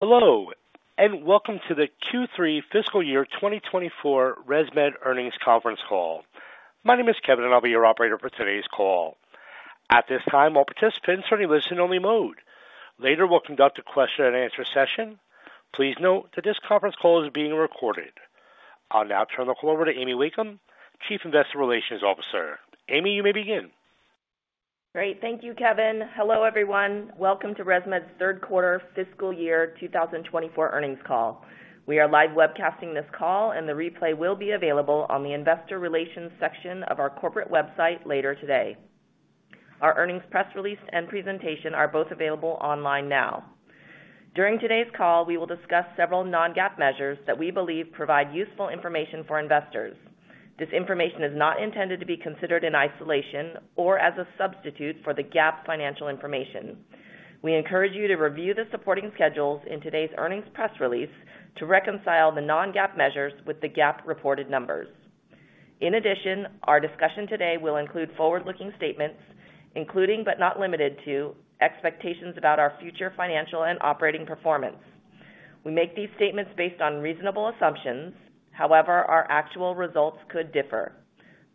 Hello and welcome to the Q3 fiscal year 2024 ResMed earnings conference call. My name is Kevin and I'll be your operator for today's call. At this time all participants are in a listen-only mode. Later we'll conduct a question-and-answer session. Please note that this conference call is being recorded. I'll now turn the call over to Amy Wakeham, Chief Investor Relations Officer. Amy you may begin. Great. Thank you, Kevin. Hello, everyone. Welcome to ResMed's third quarter fiscal year 2024 earnings call. We are live webcasting this call, and the replay will be available on the investor relations section of our corporate website later today. Our earnings press release and presentation are both available online now. During today's call, we will discuss several non-GAAP measures that we believe provide useful information for investors. This information is not intended to be considered in isolation or as a substitute for the GAAP financial information. We encourage you to review the supporting schedules in today's earnings press release to reconcile the non-GAAP measures with the GAAP reported numbers. In addition, our discussion today will include forward-looking statements, including but not limited to expectations about our future financial and operating performance. We make these statements based on reasonable assumptions; however, our actual results could differ.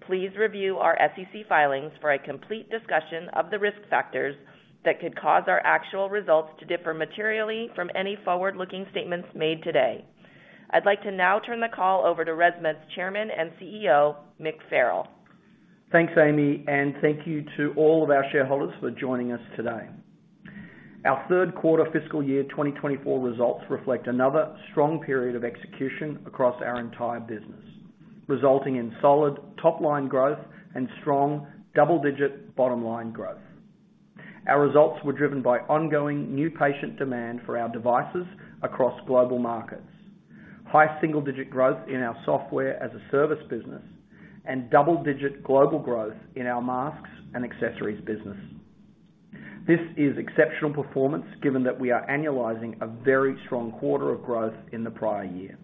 Please review our SEC filings for a complete discussion of the risk factors that could cause our actual results to differ materially from any forward-looking statements made today. I'd like to now turn the call over to ResMed's Chairman and CEO Mick Farrell. Thanks Amy and thank you to all of our shareholders for joining us today. Our third quarter fiscal year 2024 results reflect another strong period of execution across our entire business resulting in solid top-line growth and strong double-digit bottom-line growth. Our results were driven by ongoing new patient demand for our devices across global markets, high single-digit growth in our software as a service business, and double-digit global growth in our masks and accessories business. This is exceptional performance given that we are annualizing a very strong quarter of growth in the prior year.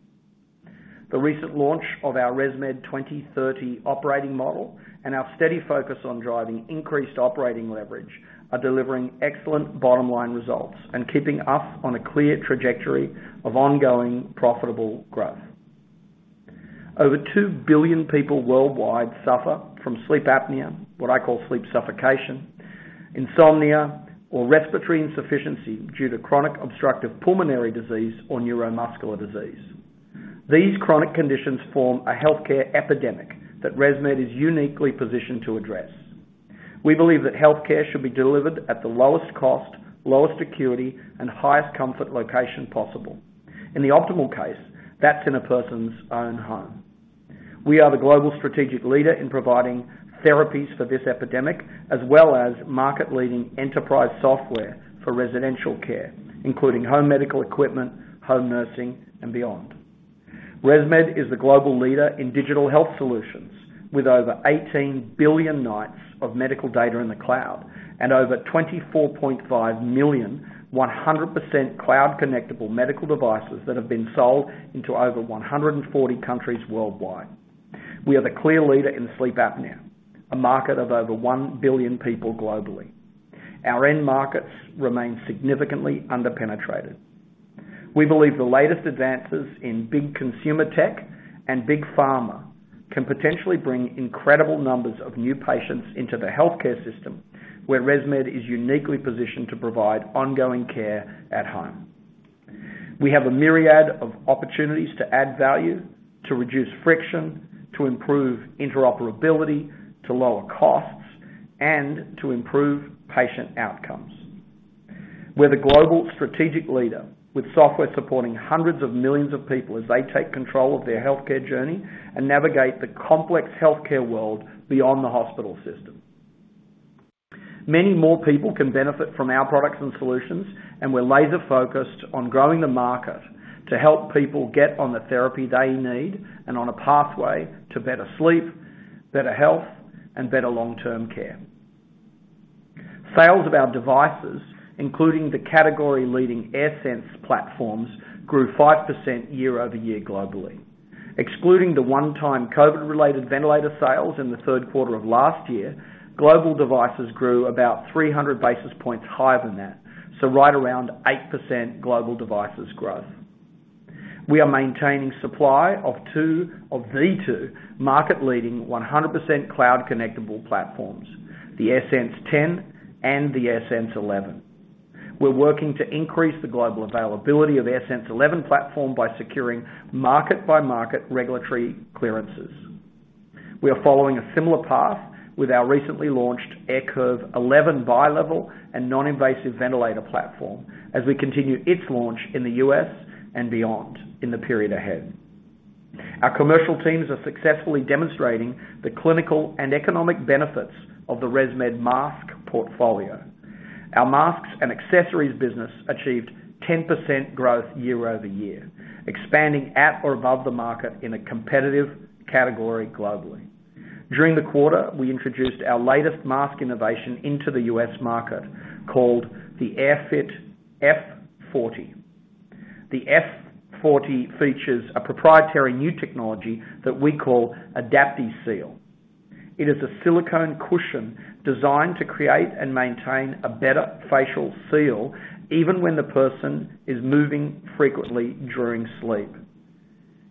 The recent launch of our ResMed 2030 operating model and our steady focus on driving increased operating leverage are delivering excellent bottom-line results and keeping us on a clear trajectory of ongoing profitable growth. Over 2 billion people worldwide suffer from sleep apnea, what I call sleep suffocation, insomnia, or respiratory insufficiency due to chronic obstructive pulmonary disease or neuromuscular disease. These chronic conditions form a healthcare epidemic that ResMed is uniquely positioned to address. We believe that healthcare should be delivered at the lowest cost, lowest acuity, and highest comfort location possible. In the optimal case that's in a person's own home. We are the global strategic leader in providing therapies for this epidemic as well as market-leading enterprise software for residential care including home medical equipment, home nursing, and beyond. ResMed is the global leader in digital health solutions with over 18 billion nights of medical data in the cloud and over 24.5 million 100% cloud-connectable medical devices that have been sold into over 140 countries worldwide. We are the clear leader in sleep apnea, a market of over 1 billion people globally. Our end markets remain significantly under-penetrated. We believe the latest advances in big consumer tech and big pharma can potentially bring incredible numbers of new patients into the healthcare system where ResMed is uniquely positioned to provide ongoing care at home. We have a myriad of opportunities to add value, to reduce friction, to improve interoperability, to lower costs, and to improve patient outcomes. We're the global strategic leader with software supporting hundreds of millions of people as they take control of their healthcare journey and navigate the complex healthcare world beyond the hospital system. Many more people can benefit from our products and solutions and we're laser-focused on growing the market to help people get on the therapy they need and on a pathway to better sleep, better health, and better long-term care. Sales of our devices including the category-leading AirSense platforms grew 5% year-over-year globally. Excluding the one-time COVID-related ventilator sales in the third quarter of last year, global devices grew about 300 basis points higher than that, so right around 8% global devices growth. We are maintaining supply of two of the two market-leading 100% cloud-connectable platforms, the AirSense 10 and the AirSense 11. We're working to increase the global availability of AirSense 11 platform by securing market-by-market regulatory clearances. We are following a similar path with our recently launched AirCurve 11 bi-level and non-invasive ventilator platform as we continue its launch in the U.S. and beyond in the period ahead. Our commercial teams are successfully demonstrating the clinical and economic benefits of the ResMed mask portfolio. Our masks and accessories business achieved 10% growth year-over-year, expanding at or above the market in a competitive category globally. During the quarter we introduced our latest mask innovation into the U.S. market called the AirFit F40. The F40 features a proprietary new technology that we call AdaptiSeal. It is a silicone cushion designed to create and maintain a better facial seal even when the person is moving frequently during sleep.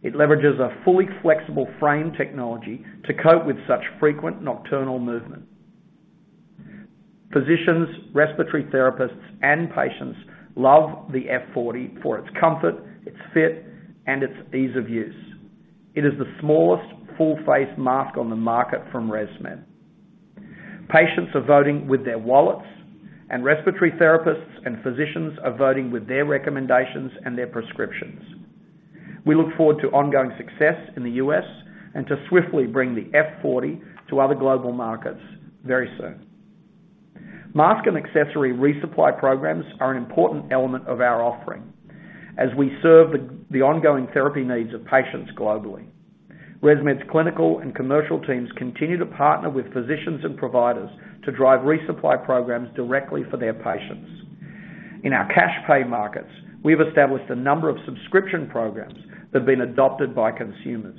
It leverages a fully flexible frame technology to cope with such frequent nocturnal movement. Physicians, respiratory therapists, and patients love the F40 for its comfort, its fit, and its ease of use. It is the smallest full-face mask on the market from ResMed. Patients are voting with their wallets and respiratory therapists and physicians are voting with their recommendations and their prescriptions. We look forward to ongoing success in the U.S. and to swiftly bring the F40 to other global markets very soon. Mask and accessory resupply programs are an important element of our offering as we serve the ongoing therapy needs of patients globally. ResMed's clinical and commercial teams continue to partner with physicians and providers to drive resupply programs directly for their patients. In our cash-pay markets we have established a number of subscription programs that have been adopted by consumers.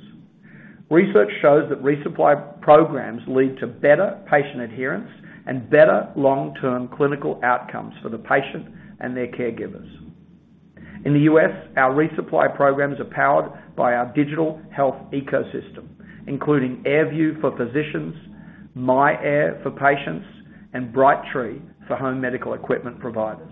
Research shows that resupply programs lead to better patient adherence and better long-term clinical outcomes for the patient and their caregivers. In the U.S. our resupply programs are powered by our digital health ecosystem including AirView for physicians, myAir for patients, and Brightree for home medical equipment providers.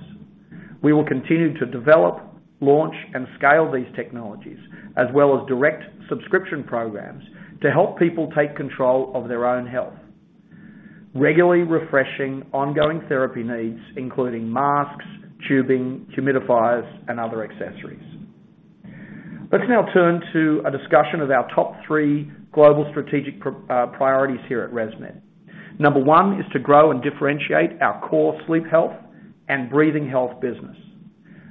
We will continue to develop, launch, and scale these technologies as well as direct subscription programs to help people take control of their own health, regularly refreshing ongoing therapy needs including masks, tubing, humidifiers, and other accessories. Let's now turn to a discussion of our top three global strategic priorities here at ResMed. Number one is to grow and differentiate our core sleep health and breathing health business.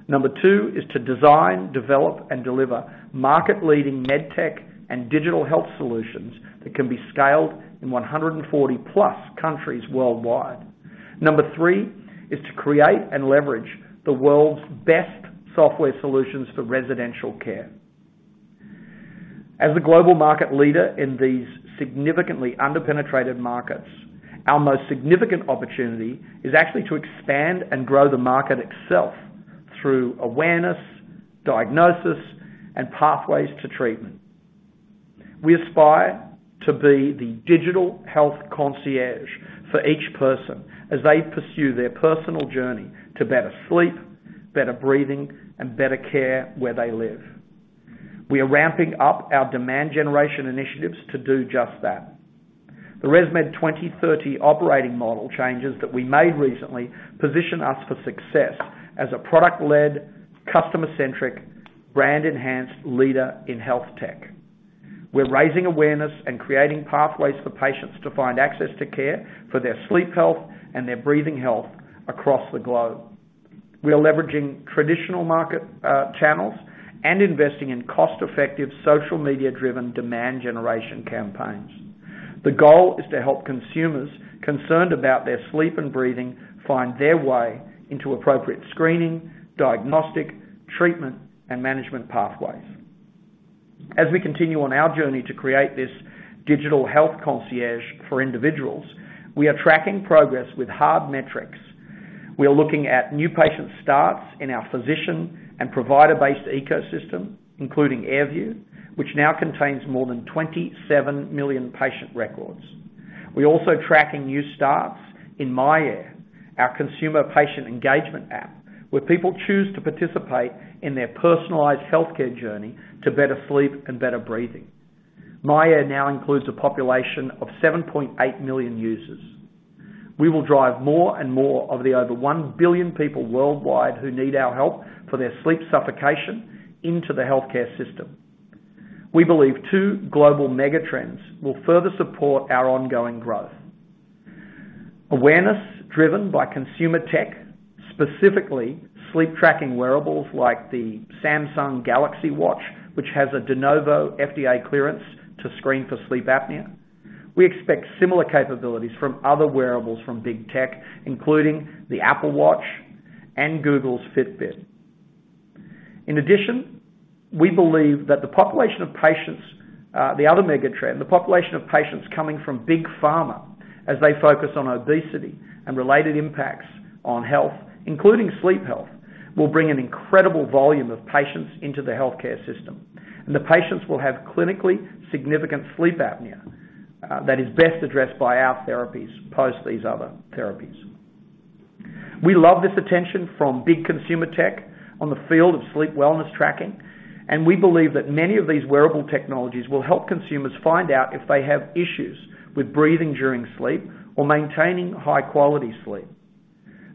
Number two is to design, develop, and deliver market-leading MedTech and digital health solutions that can be scaled in 140+ countries worldwide. Number three is to create and leverage the world's best software solutions for residential care. As the global market leader in these significantly under-penetrated markets our most significant opportunity is actually to expand and grow the market itself through awareness, diagnosis, and pathways to treatment. We aspire to be the digital health concierge for each person as they pursue their personal journey to better sleep, better breathing, and better care where they live. We are ramping up our demand generation initiatives to do just that. The ResMed 2030 operating model changes that we made recently position us for success as a product-led, customer-centric, brand-enhanced leader in health tech. We're raising awareness and creating pathways for patients to find access to care for their sleep health and their breathing health across the globe. We are leveraging traditional market channels and investing in cost-effective social media-driven demand generation campaigns. The goal is to help consumers concerned about their sleep and breathing find their way into appropriate screening, diagnostic, treatment, and management pathways. As we continue on our journey to create this digital health concierge for individuals we are tracking progress with hard metrics. We are looking at new patient starts in our physician and provider-based ecosystem including AirView which now contains more than 27 million patient records. We are also tracking new starts in myAir, our consumer patient engagement app, where people choose to participate in their personalized healthcare journey to better sleep and better breathing. myAir now includes a population of 7.8 million users. We will drive more and more of the over 1 billion people worldwide who need our help for their sleep suffocation into the healthcare system. We believe two global mega-trends will further support our ongoing growth: awareness driven by consumer tech, specifically sleep tracking wearables like the Samsung Galaxy Watch, which has a De Novo FDA clearance to screen for sleep apnea. We expect similar capabilities from other wearables from big tech including the Apple Watch and Google's Fitbit. In addition, we believe that the population of patients the other mega-trend, the population of patients coming from big pharma as they focus on obesity and related impacts on health including sleep health, will bring an incredible volume of patients into the healthcare system and the patients will have clinically significant sleep apnea that is best addressed by our therapies post these other therapies. We love this attention from big consumer tech on the field of sleep wellness tracking and we believe that many of these wearable technologies will help consumers find out if they have issues with breathing during sleep or maintaining high-quality sleep.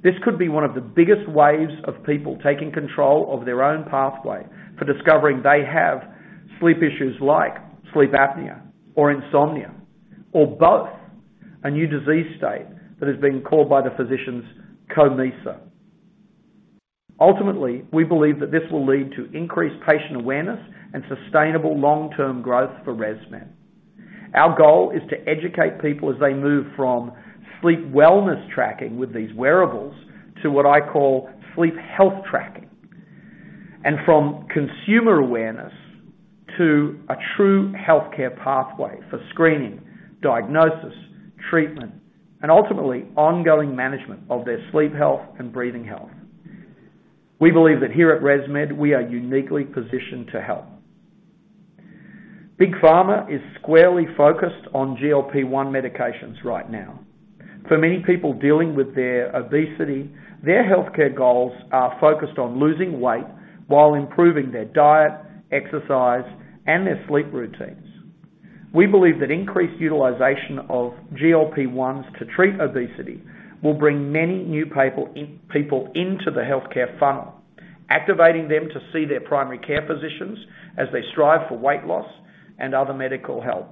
This could be one of the biggest waves of people taking control of their own pathway for discovering they have sleep issues like sleep apnea or insomnia or both, a new disease state that has been called by the physicians CompSA. Ultimately, we believe that this will lead to increased patient awareness and sustainable long-term growth for ResMed. Our goal is to educate people as they move from sleep wellness tracking with these wearables to what I call sleep health tracking and from consumer awareness to a true healthcare pathway for screening, diagnosis, treatment, and ultimately ongoing management of their sleep health and breathing health. We believe that here at ResMed we are uniquely positioned to help. Big pharma is squarely focused on GLP-1 medications right now. For many people dealing with their obesity, their healthcare goals are focused on losing weight while improving their diet, exercise, and their sleep routines. We believe that increased utilization of GLP-1s to treat obesity will bring many new people into the healthcare funnel, activating them to see their primary care physicians as they strive for weight loss and other medical help.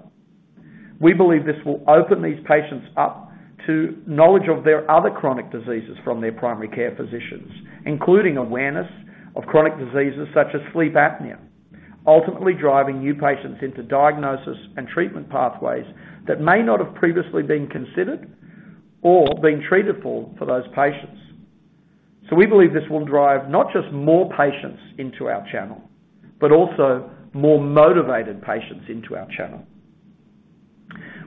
We believe this will open these patients up to knowledge of their other chronic diseases from their primary care physicians including awareness of chronic diseases such as sleep apnea, ultimately driving new patients into diagnosis and treatment pathways that may not have previously been considered or been treated for those patients. So we believe this will drive not just more patients into our channel but also more motivated patients into our channel.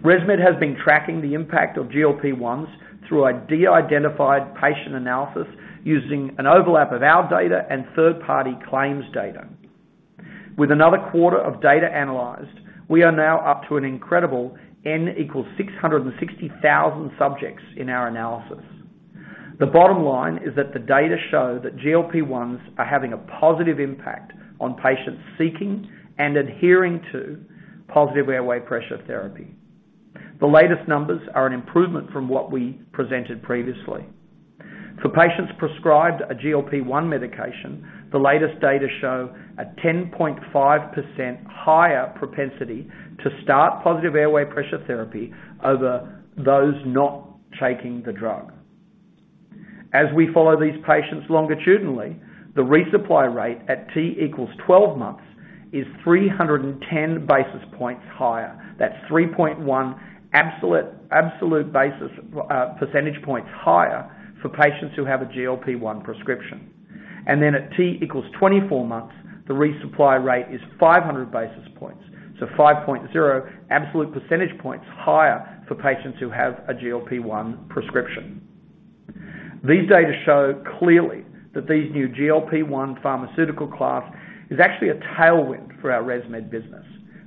ResMed has been tracking the impact of GLP-1s through a de-identified patient analysis using an overlap of our data and third-party claims data. With another quarter of data analyzed we are now up to an incredible N = 660,000 subjects in our analysis. The bottom line is that the data show that GLP-1s are having a positive impact on patients seeking and adhering to positive airway pressure therapy. The latest numbers are an improvement from what we presented previously. For patients prescribed a GLP-1 medication the latest data show a 10.5% higher propensity to start positive airway pressure therapy over those not taking the drug. As we follow these patients longitudinally the resupply rate at T equals 12 months is 310 basis points higher. That's 3.1 absolute basis percentage points higher for patients who have a GLP-1 prescription. And then at T equals 24 months the resupply rate is 500 basis points, so 5.0 absolute percentage points higher for patients who have a GLP-1 prescription. These data show clearly that these new GLP-1 pharmaceutical class is actually a tailwind for our ResMed business,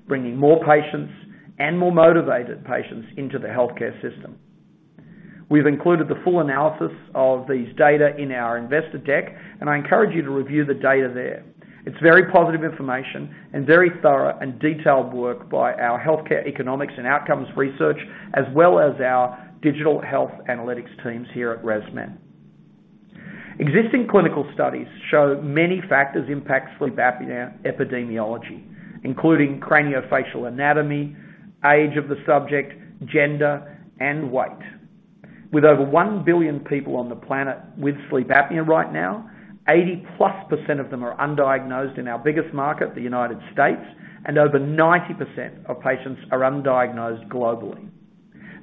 bringing more patients and more motivated patients into the healthcare system. We've included the full analysis of these data in our investor deck and I encourage you to review the data there. It's very positive information and very thorough and detailed work by our healthcare economics and outcomes research as well as our digital health analytics teams here at ResMed. Existing clinical studies show many factors impact sleep apnea epidemiology including craniofacial anatomy, age of the subject, gender, and weight. With over 1 billion people on the planet with sleep apnea right now 80%+ of them are undiagnosed in our biggest market, the United States, and over 90% of patients are undiagnosed globally.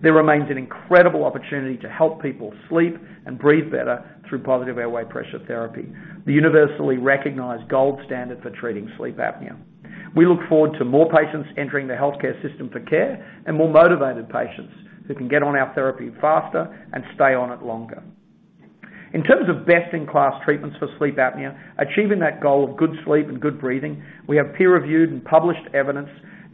There remains an incredible opportunity to help people sleep and breathe better through positive airway pressure therapy, the universally recognized gold standard for treating sleep apnea. We look forward to more patients entering the healthcare system for care and more motivated patients who can get on our therapy faster and stay on it longer. In terms of best-in-class treatments for sleep apnea, achieving that goal of good sleep and good breathing, we have peer-reviewed and published evidence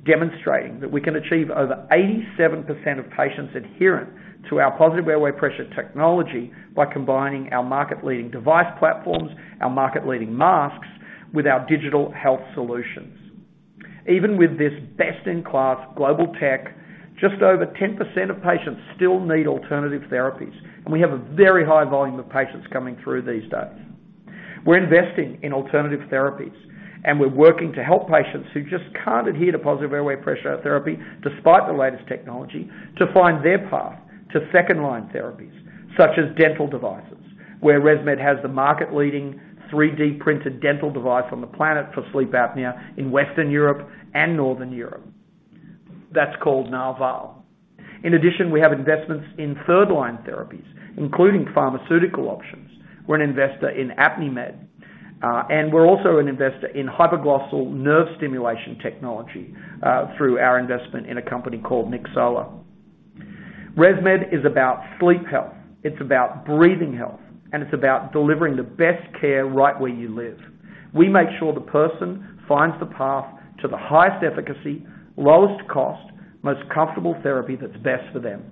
demonstrating that we can achieve over 87% of patients adherent to our positive airway pressure technology by combining our market-leading device platforms, our market-leading masks, with our digital health solutions. Even with this best-in-class global tech just over 10% of patients still need alternative therapies and we have a very high volume of patients coming through these days. We're investing in alternative therapies and we're working to help patients who just can't adhere to positive airway pressure therapy despite the latest technology to find their path to second-line therapies such as dental devices where ResMed has the market-leading 3D-printed dental device on the planet for sleep apnea in Western Europe and Northern Europe. That's called Narval. In addition, we have investments in third-line therapies including pharmaceutical options. We're an investor in Apnimed and we're also an investor in hypoglossal nerve stimulation technology through our investment in a company called Nyxoah. ResMed is about sleep health. It's about breathing health and it's about delivering the best care right where you live. We make sure the person finds the path to the highest efficacy, lowest cost, most comfortable therapy that's best for them.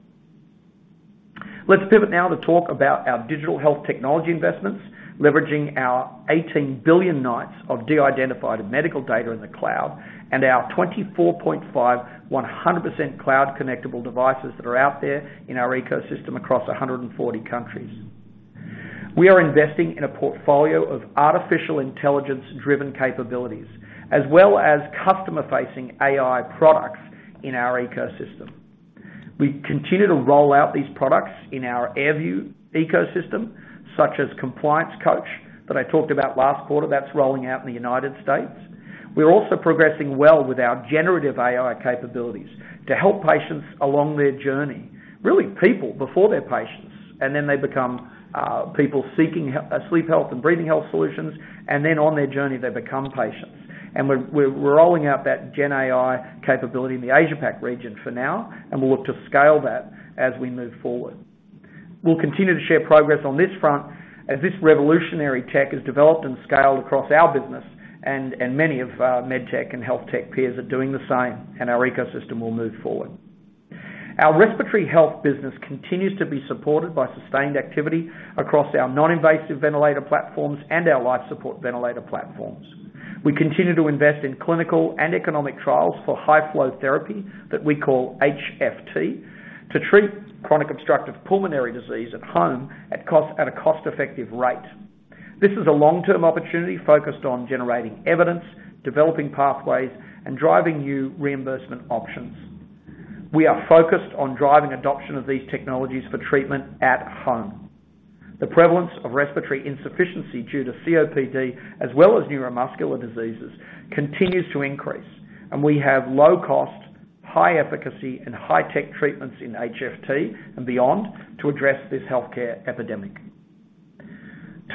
Let's pivot now to talk about our digital health technology investments, leveraging our 18 billion nights of de-identified medical data in the cloud and our 2.45 million 100% cloud-connectable devices that are out there in our ecosystem across 140 countries. We are investing in a portfolio of artificial intelligence-driven capabilities as well as customer-facing AI products in our ecosystem. We continue to roll out these products in our AirView ecosystem such as Compliance Coach that I talked about last quarter. That's rolling out in the United States. We're also progressing well with our generative AI capabilities to help patients along their journey, really people before they're patients and then they become people seeking sleep health and breathing health solutions and then on their journey they become patients. We're rolling out that GenAI capability in the Asia-Pac region for now and we'll look to scale that as we move forward. We'll continue to share progress on this front as this revolutionary tech is developed and scaled across our business and many of our MedTech and health tech peers are doing the same and our ecosystem will move forward. Our respiratory health business continues to be supported by sustained activity across our non-invasive ventilator platforms and our life support ventilator platforms. We continue to invest in clinical and economic trials for high-flow therapy that we call HFT to treat chronic obstructive pulmonary disease at home at a cost-effective rate. This is a long-term opportunity focused on generating evidence, developing pathways, and driving new reimbursement options. We are focused on driving adoption of these technologies for treatment at home. The prevalence of respiratory insufficiency due to COPD as well as neuromuscular diseases continues to increase and we have low-cost, high-efficacy, and high-tech treatments in HFT and beyond to address this healthcare epidemic.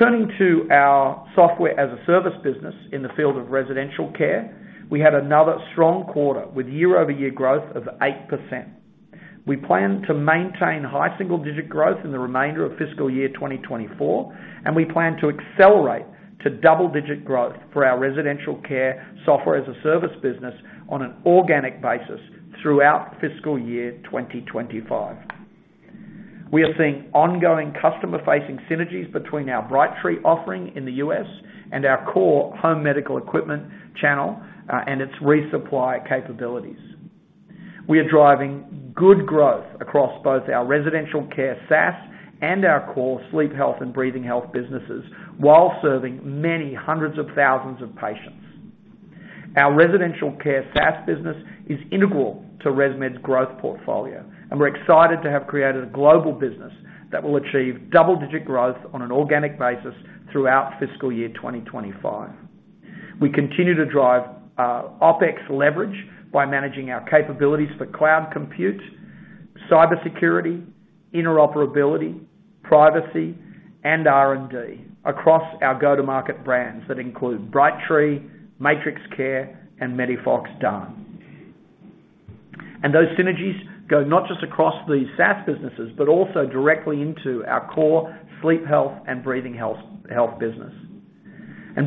Turning to our software as a service business in the field of residential care we had another strong quarter with year-over-year growth of 8%. We plan to maintain high single-digit growth in the remainder of fiscal year 2024 and we plan to accelerate to double-digit growth for our residential care software as a service business on an organic basis throughout fiscal year 2025. We are seeing ongoing customer-facing synergies between our Brightree offering in the U.S. and our core home medical equipment channel and its resupply capabilities. We are driving good growth across both our residential care SaaS and our core sleep health and breathing health businesses while serving many hundreds of thousands of patients. Our residential care SaaS business is integral to ResMed's growth portfolio and we're excited to have created a global business that will achieve double-digit growth on an organic basis throughout fiscal year 2025. We continue to drive OpEx leverage by managing our capabilities for cloud compute, cybersecurity, interoperability, privacy, and R&D across our go-to-market brands that include Brightree, MatrixCare, and MEDIFOX DAN. Those synergies go not just across these SaaS businesses but also directly into our core sleep health and breathing health business.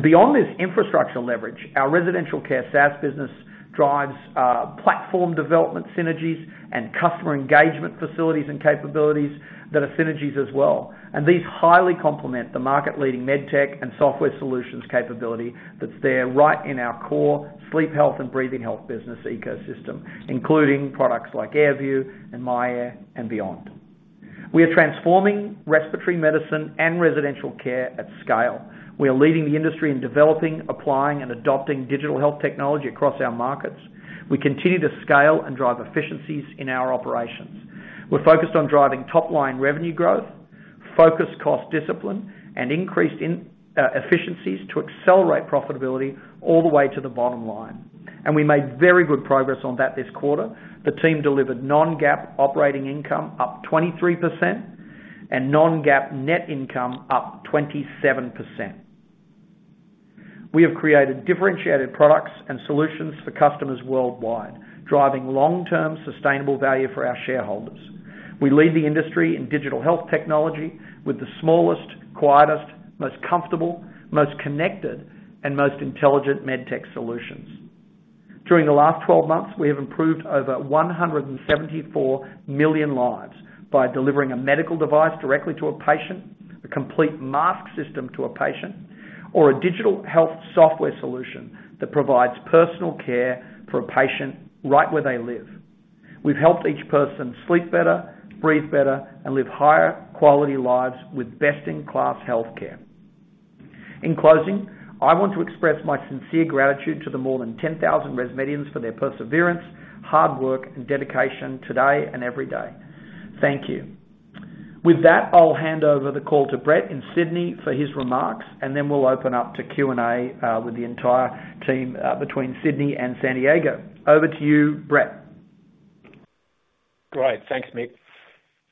Beyond this infrastructure leverage, our residential care SaaS business drives platform development synergies and customer engagement facilities and capabilities that are synergies as well, and these highly complement the market-leading MedTech and software solutions capability that's there right in our core sleep health and breathing health business ecosystem including products like AirView and myAir and beyond. We are transforming respiratory medicine and residential care at scale. We are leading the industry in developing, applying, and adopting digital health technology across our markets. We continue to scale and drive efficiencies in our operations. We're focused on driving top-line revenue growth, focused cost discipline, and increased efficiencies to accelerate profitability all the way to the bottom line. We made very good progress on that this quarter. The team delivered non-GAAP operating income up 23% and non-GAAP net income up 27%. We have created differentiated products and solutions for customers worldwide driving long-term sustainable value for our shareholders. We lead the industry in digital health technology with the smallest, quietest, most comfortable, most connected, and most intelligent MedTech solutions. During the last 12 months we have improved over 174 million lives by delivering a medical device directly to a patient, a complete mask system to a patient, or a digital health software solution that provides personal care for a patient right where they live. We've helped each person sleep better, breathe better, and live higher quality lives with best-in-class healthcare. In closing, I want to express my sincere gratitude to the more than 10,000 ResMedians for their perseverance, hard work, and dedication today and every day. Thank you. With that, I'll hand over the call to Brett in Sydney for his remarks and then we'll open up to Q&A with the entire team between Sydney and San Diego. Over to you, Brett. Great. Thanks Mick.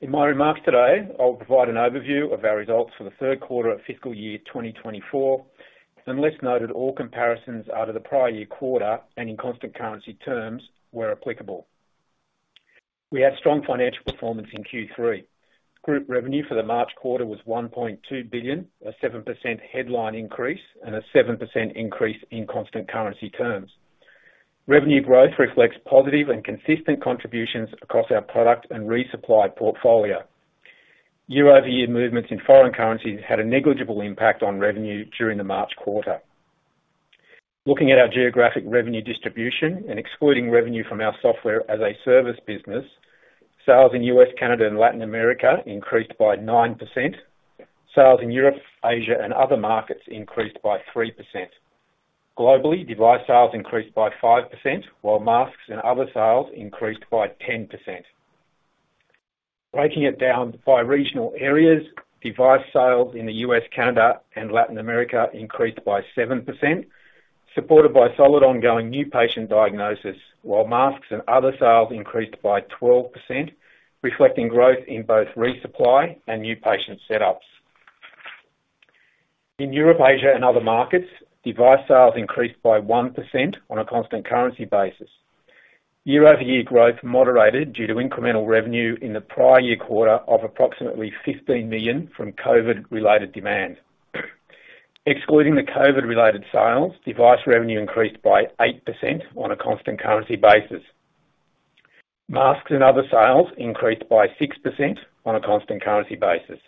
In my remarks today I'll provide an overview of our results for the third quarter of fiscal year 2024 and I'll note all comparisons to the prior year quarter and in constant currency terms where applicable. We had strong financial performance in Q3. Group revenue for the March quarter was $1.2 billion, a 7% headline increase, and a 7% increase in constant currency terms. Revenue growth reflects positive and consistent contributions across our product and resupply portfolio. Year-over-year movements in foreign currencies had a negligible impact on revenue during the March quarter. Looking at our geographic revenue distribution and excluding revenue from our software as a service business sales in U.S., Canada, and Latin America increased by 9%. Sales in Europe, Asia, and other markets increased by 3%. Globally device sales increased by 5% while masks and other sales increased by 10%. Breaking it down by regional areas, device sales in the U.S., Canada, and Latin America increased by 7% supported by solid ongoing new patient diagnosis while masks and other sales increased by 12% reflecting growth in both resupply and new patient setups. In Europe, Asia, and other markets, device sales increased by 1% on a constant currency basis. Year-over-year growth moderated due to incremental revenue in the prior year quarter of approximately $15 million from COVID-related demand. Excluding the COVID-related sales, device revenue increased by 8% on a constant currency basis. Masks and other sales increased by 6% on a constant currency basis.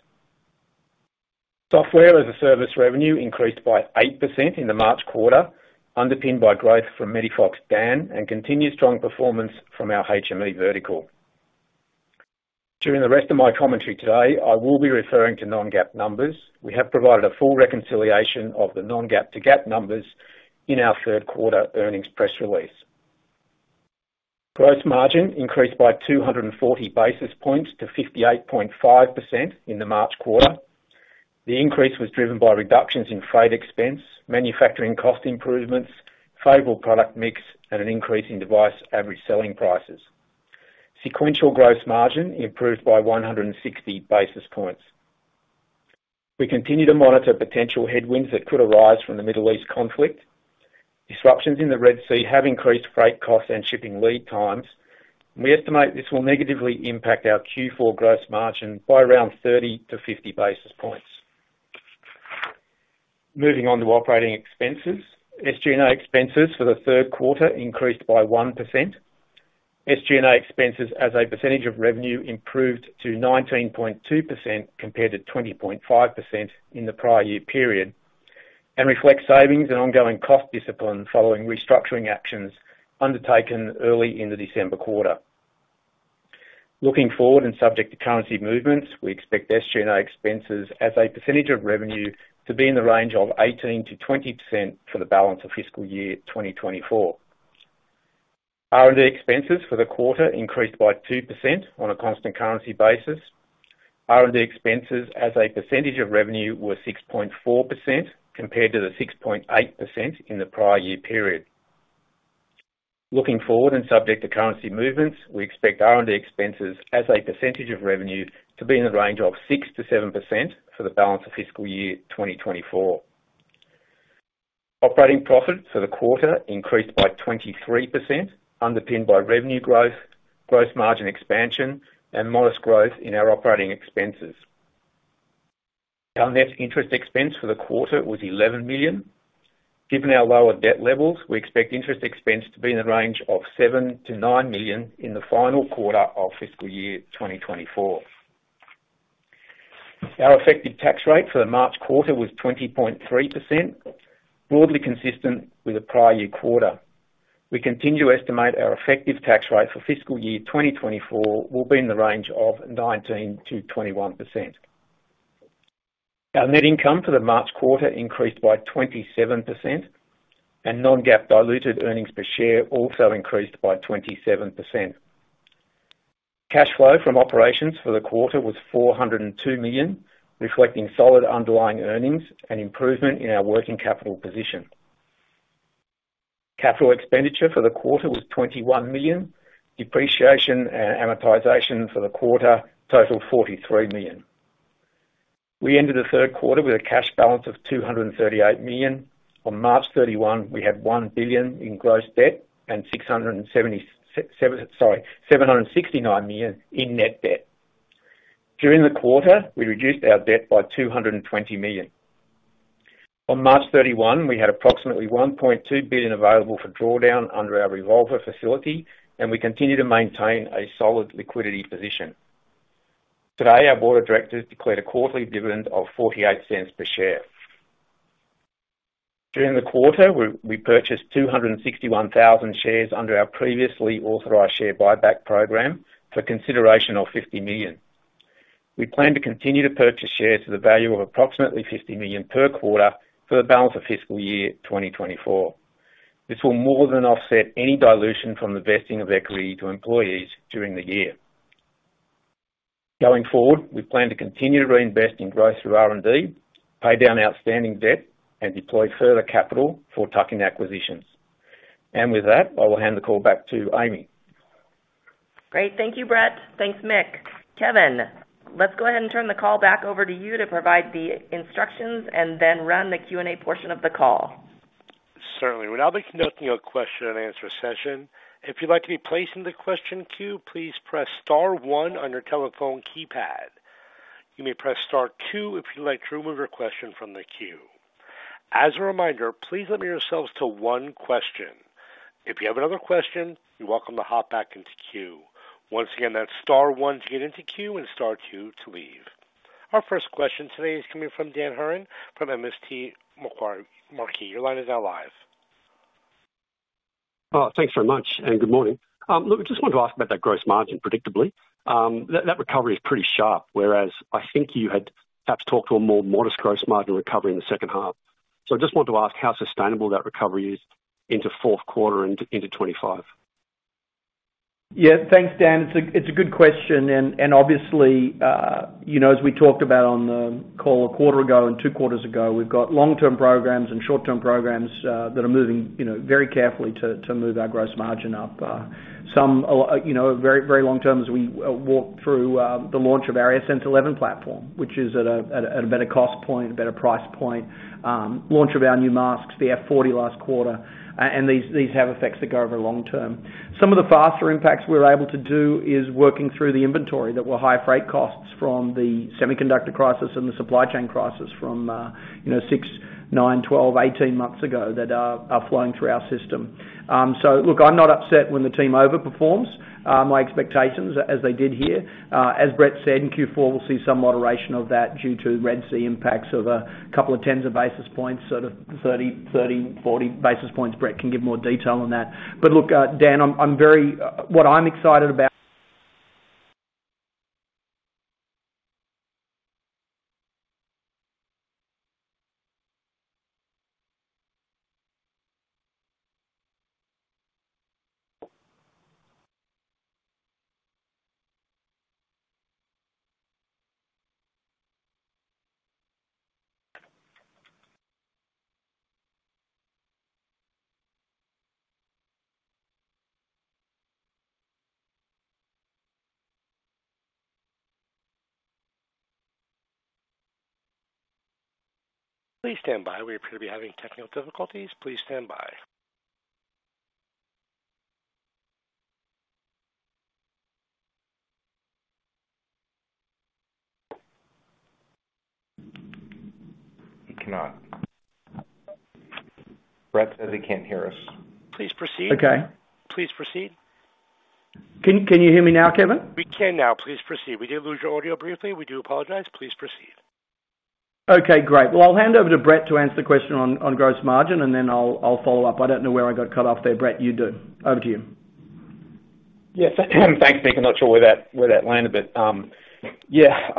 Software as a service revenue increased by 8% in the March quarter underpinned by growth from MEDIFOX DAN and continued strong performance from our HME vertical. During the rest of my commentary today, I will be referring to non-GAAP numbers. We have provided a full reconciliation of the non-GAAP to GAAP numbers in our third quarter earnings press release. Gross margin increased by 240 basis points to 58.5% in the March quarter. The increase was driven by reductions in freight expense, manufacturing cost improvements, favorable product mix, and an increase in device average selling prices. Sequential gross margin improved by 160 basis points. We continue to monitor potential headwinds that could arise from the Middle East conflict. Disruptions in the Red Sea have increased freight costs and shipping lead times and we estimate this will negatively impact our Q4 gross margin by around 30-50 basis points. Moving on to operating expenses. SG&A expenses for the third quarter increased by 1%. SG&A expenses as a percentage of revenue improved to 19.2% compared to 20.5% in the prior year period, and reflects savings and ongoing cost discipline following restructuring actions undertaken early in the December quarter. Looking forward and subject to currency movements, we expect SG&A expenses as a percentage of revenue to be in the range of 18%-20% for the balance of fiscal year 2024. R&D expenses for the quarter increased by 2% on a constant currency basis. R&D expenses as a percentage of revenue were 6.4% compared to the 6.8% in the prior year period. Looking forward and subject to currency movements, we expect R&D expenses as a percentage of revenue to be in the range of 6%-7% for the balance of fiscal year 2024. Operating profit for the quarter increased by 23% underpinned by revenue growth, gross margin expansion, and modest growth in our operating expenses. Our net interest expense for the quarter was $11 million. Given our lower debt levels we expect interest expense to be in the range of $7 million-$9 million in the final quarter of fiscal year 2024. Our effective tax rate for the March quarter was 20.3% broadly consistent with the prior year quarter. We continue to estimate our effective tax rate for fiscal year 2024 will be in the range of 19%-21%. Our net income for the March quarter increased by 27% and non-GAAP diluted earnings per share also increased by 27%. Cash flow from operations for the quarter was $402 million reflecting solid underlying earnings and improvement in our working capital position. Capital expenditure for the quarter was $21 million. Depreciation and amortization for the quarter totaled $43 million. We ended the third quarter with a cash balance of $238 million. On March 31 we had $1 billion in gross debt and sorry $769 million in net debt. During the quarter we reduced our debt by $220 million. On March 31 we had approximately $1.2 billion available for drawdown under our revolver facility and we continue to maintain a solid liquidity position. Today our board of directors declared a quarterly dividend of $0.48 per share. During the quarter we purchased 261,000 shares under our previously authorized share buyback program for consideration of $50 million. We plan to continue to purchase shares for the value of approximately $50 million per quarter for the balance of fiscal year 2024. This will more than offset any dilution from the vesting of equity to employees during the year. Going forward we plan to continue to reinvest in growth through R&D, pay down outstanding debt, and deploy further capital for tuck-in acquisitions. With that I will hand the call back to Amy. Great. Thank you Brett. Thanks Mick. Kevin, let's go ahead and turn the call back over to you to provide the instructions and then run the Q&A portion of the call. Certainly. We're now conducting a question and answer session. If you'd like to be placed in the question queue please press star one on your telephone keypad. You may press star two if you'd like to remove your question from the queue. As a reminder please limit yourselves to one question. If you have another question you're welcome to hop back into queue. Once again that's star one to get into queue and star two to leave. Our first question today is coming from Dan Hurren from MST Marquee. Your line is now live. Thanks very much and good morning. Look I just wanted to ask about that gross margin predictability. That recovery is pretty sharp whereas I think you had perhaps talked to a more modest gross margin recovery in the second half. So I just wanted to ask how sustainable that recovery is into fourth quarter and into 2025. Yeah, thanks Dan. It's a good question and obviously as we talked about on the call a quarter ago and two quarters ago we've got long-term programs and short-term programs that are moving very carefully to move our gross margin up. Some very long-term as we walked through the launch of our AirSense 11 platform which is at a better cost point, a better price point. Launch of our new masks, the F40 last quarter, and these have effects that go over long-term. Some of the faster impacts we were able to do is working through the inventory that were high freight costs from the semiconductor crisis and the supply chain crisis from 6, 9, 12, 18 months ago that are flowing through our system. So look I'm not upset when the team overperforms my expectations as they did here. As Brett said in Q4 we'll see some moderation of that due to Red Sea impacts of a couple of tens of basis points sort of 30-40 basis points. Brett can give more detail on that. But look Dan what I'm excited about. Please stand by. We appear to be having technical difficulties. Please stand by. He cannot. Brett says he can't hear us. Please proceed. Okay. Please proceed. Can you hear me now Kevin? We can now. Please proceed. We did lose your audio briefly. We do apologize. Please proceed. Okay great. Well I'll hand over to Brett to answer the question on gross margin and then I'll follow up. I don't know where I got cut off there. Brett you do. Over to you. Yes, thanks Mick. I'm not sure where that landed but yeah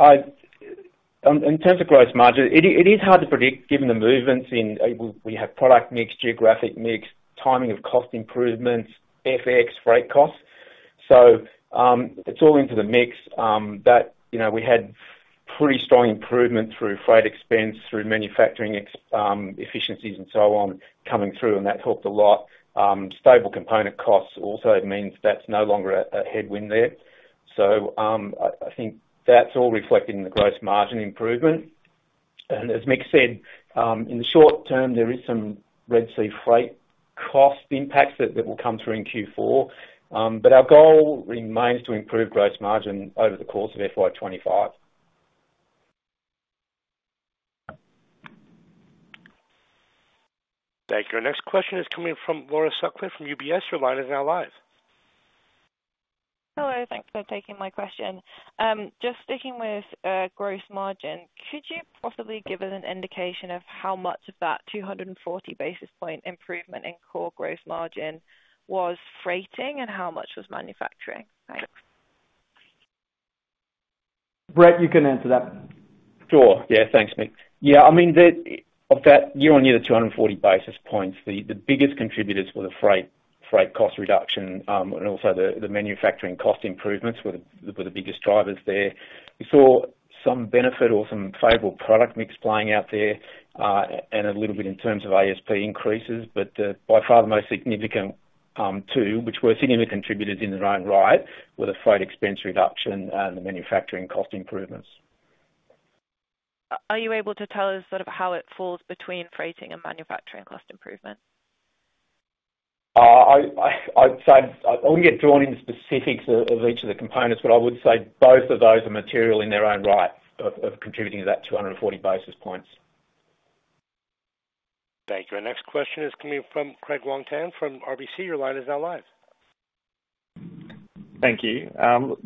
in terms of gross margin it is hard to predict given the movements in we have product mix, geographic mix, timing of cost improvements, FX, freight costs. So it's all into the mix that we had pretty strong improvement through freight expense, through manufacturing efficiencies, and so on coming through and that helped a lot. Stable component costs also means that's no longer a headwind there. So I think that's all reflected in the gross margin improvement. And as Mick said in the short-term there is some Red Sea freight cost impacts that will come through in Q4 but our goal remains to improve gross margin over the course of FY 2025. Thank you. Our next question is coming from Laura Sutcliffe from UBS. Your line is now live. Hello thanks for taking my question. Just sticking with gross margin could you possibly give us an indication of how much of that 240 basis points improvement in core gross margin was freighting and how much was manufacturing? Thanks. Brett, you can answer that. Sure. Yeah, thanks Mick. Yeah, I mean of that year-on-year the 240 basis points the biggest contributors were the freight cost reduction and also the manufacturing cost improvements were the biggest drivers there. We saw some benefit or some favorable product mix playing out there and a little bit in terms of ASP increases but by far the most significant two which were significant contributors in their own right were the freight expense reduction and the manufacturing cost improvements. Are you able to tell us sort of how it falls between freighting and manufacturing cost improvement? I wouldn't get drawn into specifics of each of the components, but I would say both of those are material in their own right of contributing to that 240 basis points. Thank you. Our next question is coming from Craig Wong-Pan from RBC. Your line is now live. Thank you.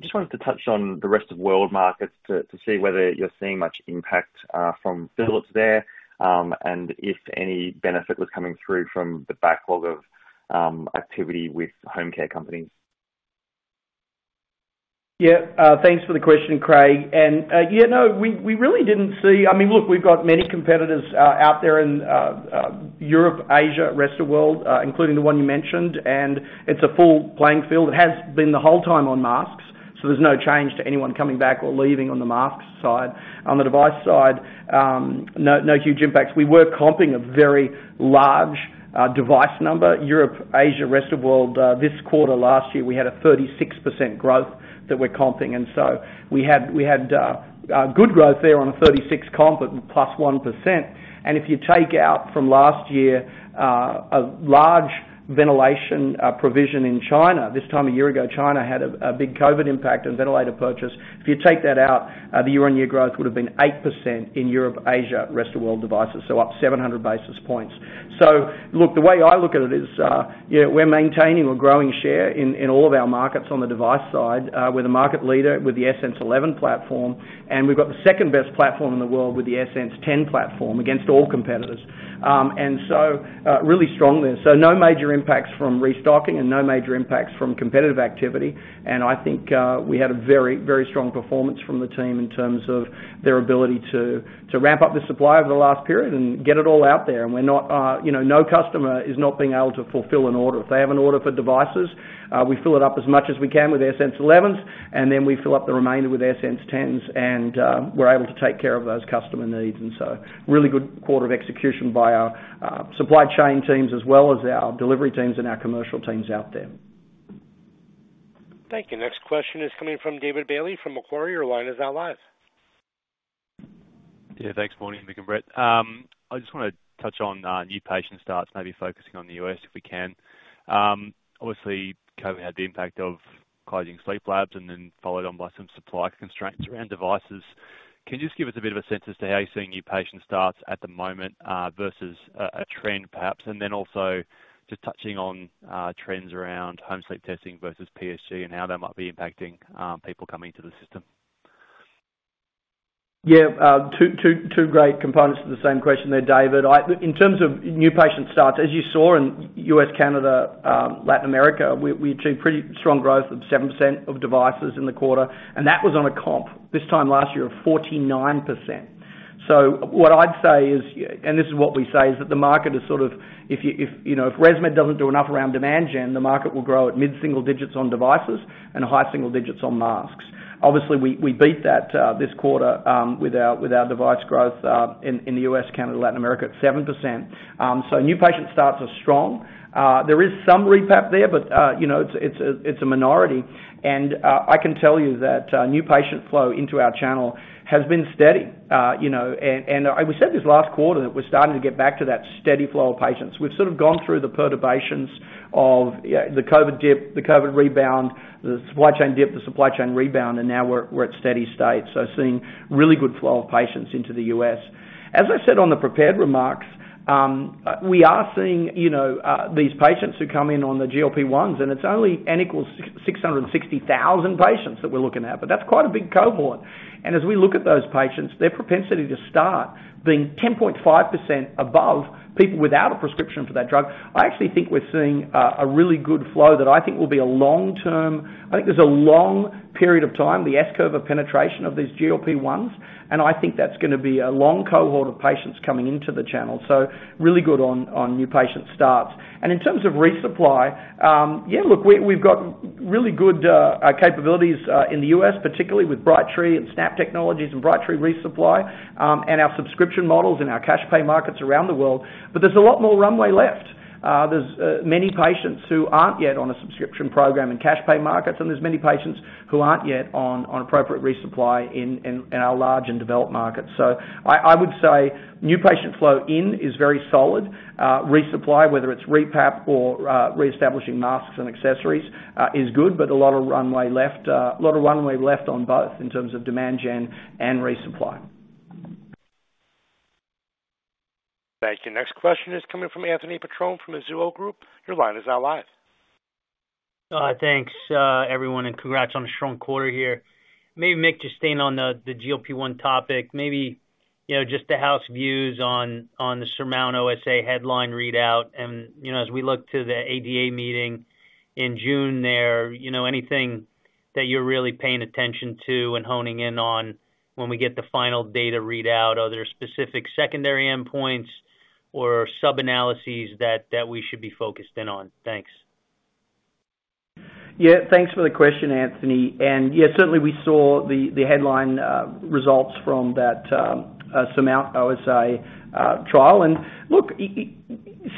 Just wanted to touch on the rest of world markets to see whether you're seeing much impact from builds there and if any benefit was coming through from the backlog of activity with home care companies. Yeah, thanks for the question, Craig. And yeah, no, we really didn't see—I mean, look, we've got many competitors out there in Europe, Asia, rest of the world, including the one you mentioned, and it's a full playing field. It has been the whole time on masks, so there's no change to anyone coming back or leaving on the masks side. On the device side, no huge impacts. We were comping a very large device number. Europe, Asia, rest of the world this quarter last year we had a 36% growth that we're comping, and so we had good growth there on a 36% comp +1%. And if you take out from last year a large ventilation provision in China, this time a year ago China had a big COVID impact and ventilator purchase. If you take that out, the year-on-year growth would have been 8% in Europe, Asia, rest of the world devices, so up 700 basis points. So look, the way I look at it is we're maintaining or growing share in all of our markets on the device side. We're the market leader with the AirSense 11 platform and we've got the second best platform in the world with the AirSense 10 platform against all competitors. And so really strong there. So no major impacts from restocking and no major impacts from competitive activity and I think we had a very, very strong performance from the team in terms of their ability to ramp up the supply over the last period and get it all out there and we're not no customer is not being able to fulfill an order. If they have an order for devices, we fill it up as much as we can with AS11s, and then we fill up the remainder with AS10s, and we're able to take care of those customer needs, and so really good quarter of execution by our supply chain teams, as well as our delivery teams and our commercial teams out there. Thank you. Next question is coming from David Bailey from Macquarie. Your line is now live. Yeah, thanks Morning and Mick and Brett. I just want to touch on new patient starts maybe focusing on the U.S. if we can. Obviously COVID had the impact of closing sleep labs and then followed on by some supply constraints around devices. Can you just give us a bit of a sense as to how you're seeing new patient starts at the moment versus a trend perhaps and then also just touching on trends around home sleep testing versus PSG and how that might be impacting people coming into the system? Yeah, two great components to the same question there, David. In terms of new patient starts, as you saw in U.S., Canada, Latin America, we achieved pretty strong growth of 7% of devices in the quarter, and that was on a comp this time last year of 49%. So what I'd say is and this is what we say is that the market is sort of if ResMed doesn't do enough around demand gen the market will grow at mid-single digits on devices and high single digits on masks. Obviously we beat that this quarter with our device growth in the U.S., Canada, Latin America at 7%. So new patient starts are strong. There is some Re-PAP there but it's a minority and I can tell you that new patient flow into our channel has been steady. We said this last quarter that we're starting to get back to that steady flow of patients. We've sort of gone through the perturbations of the COVID dip, the COVID rebound, the supply chain dip, the supply chain rebound and now we're at steady state. So seeing really good flow of patients into the U.S. As I said on the prepared remarks we are seeing these patients who come in on the GLP-1s and it's only N=660,000 patients that we're looking at but that's quite a big cohort. And as we look at those patients, their propensity to start being 10.5% above people without a prescription for that drug, I actually think we're seeing a really good flow that I think will be a long-term. I think there's a long period of time, the S curve of penetration of these GLP-1s, and I think that's going to be a long cohort of patients coming into the channel. So really good on new patient starts. And in terms of resupply, yeah, look, we've got really good capabilities in the U.S. particularly with Brightree and Snap Technologies and Brightree resupply and our subscription models and our cash pay markets around the world, but there's a lot more runway left. There's many patients who aren't yet on a subscription program in cash pay markets and there's many patients who aren't yet on appropriate resupply in our large and developed markets. So I would say new patient flow in is very solid. Resupply whether it's Re-PAP or reestablishing masks and accessories is good but a lot of runway left a lot of runway left on both in terms of demand gen and resupply. Thank you. Next question is coming from Anthony Petrone from Mizuho Group. Your line is now live. Thanks, everyone, and congrats on a strong quarter here. Maybe, Mick, just staying on the GLP-1 topic. Maybe just the house views on the SURMOUNT-OSA headline readout and as we look to the ADA meeting in June, is there anything that you're really paying attention to and honing in on when we get the final data readout? Are there specific secondary endpoints or sub-analyses that we should be focused in on? Thanks. Yeah, thanks for the question, Anthony, and yeah, certainly we saw the headline results from that SURMOUNT-OSA trial, and look,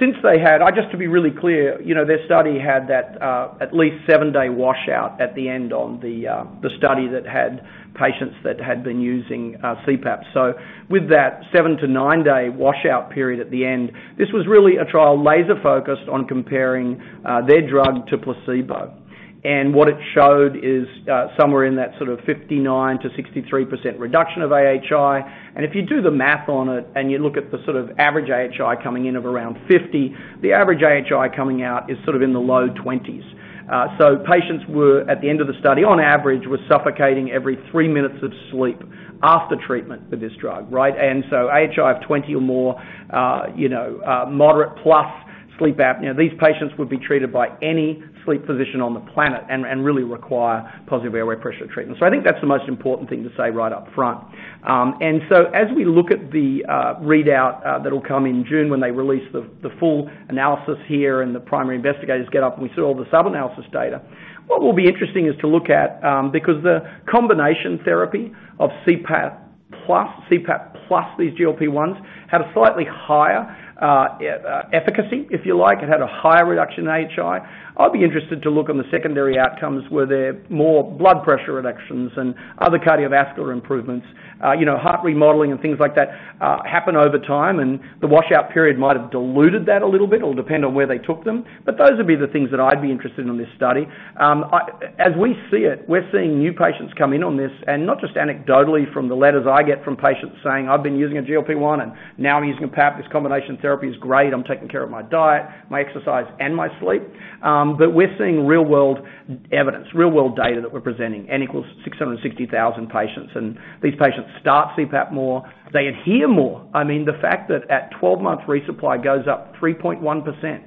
since they had just to be really clear their study had that at least 7-day washout at the end on the study that had patients that had been using CPAP. So with that 7- to 9-day washout period at the end, this was really a trial laser focused on comparing their drug to placebo, and what it showed is somewhere in that sort of 59%-63% reduction of AHI, and if you do the math on it and you look at the sort of average AHI coming in of around 50, the average AHI coming out is sort of in the low 20s. So patients were at the end of the study on average were suffocating every three minutes of sleep after treatment with this drug, right? And so AHI of 20 or more, moderate plus sleep apnea, these patients would be treated by any sleep physician on the planet and really require positive airway pressure treatment. So I think that's the most important thing to say right up front. And so as we look at the readout that will come in June when they release the full analysis here and the primary investigators get up and we see all the sub-analysis data, what will be interesting is to look at because the combination therapy of CPAP plus these GLP-1s had a slightly higher efficacy, if you like. It had a higher reduction in AHI. I'd be interested to look on the secondary outcomes where there are more blood pressure reductions and other cardiovascular improvements. Heart remodeling and things like that happen over time and the washout period might have diluted that a little bit or depend on where they took them but those would be the things that I'd be interested in on this study. As we see it we're seeing new patients come in on this and not just anecdotally from the letters I get from patients saying I've been using a GLP-1 and now I'm using a PAP. This combination therapy is great. I'm taking care of my diet, my exercise, and my sleep. But we're seeing real world evidence, real world data that we're presenting. N=660,000 patients and these patients start CPAP more. They adhere more. I mean the fact that at 12 months resupply goes up 3.1%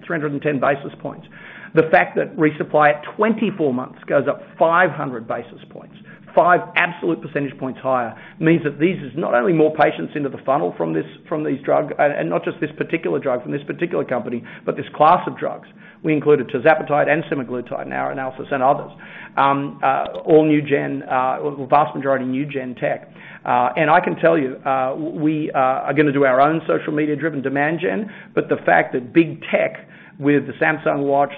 310 basis points. The fact that resupply at 24 months goes up 500 basis points. 5 absolute percentage points higher. Means that there is not only more patients into the funnel from this drug and not just this particular drug from this particular company but this class of drugs. We included tirzepatide and semaglutide in our analysis and others. All new gen vast majority new gen tech. And I can tell you we are going to do our own social media driven demand gen but the fact that big tech with the Samsung Watch,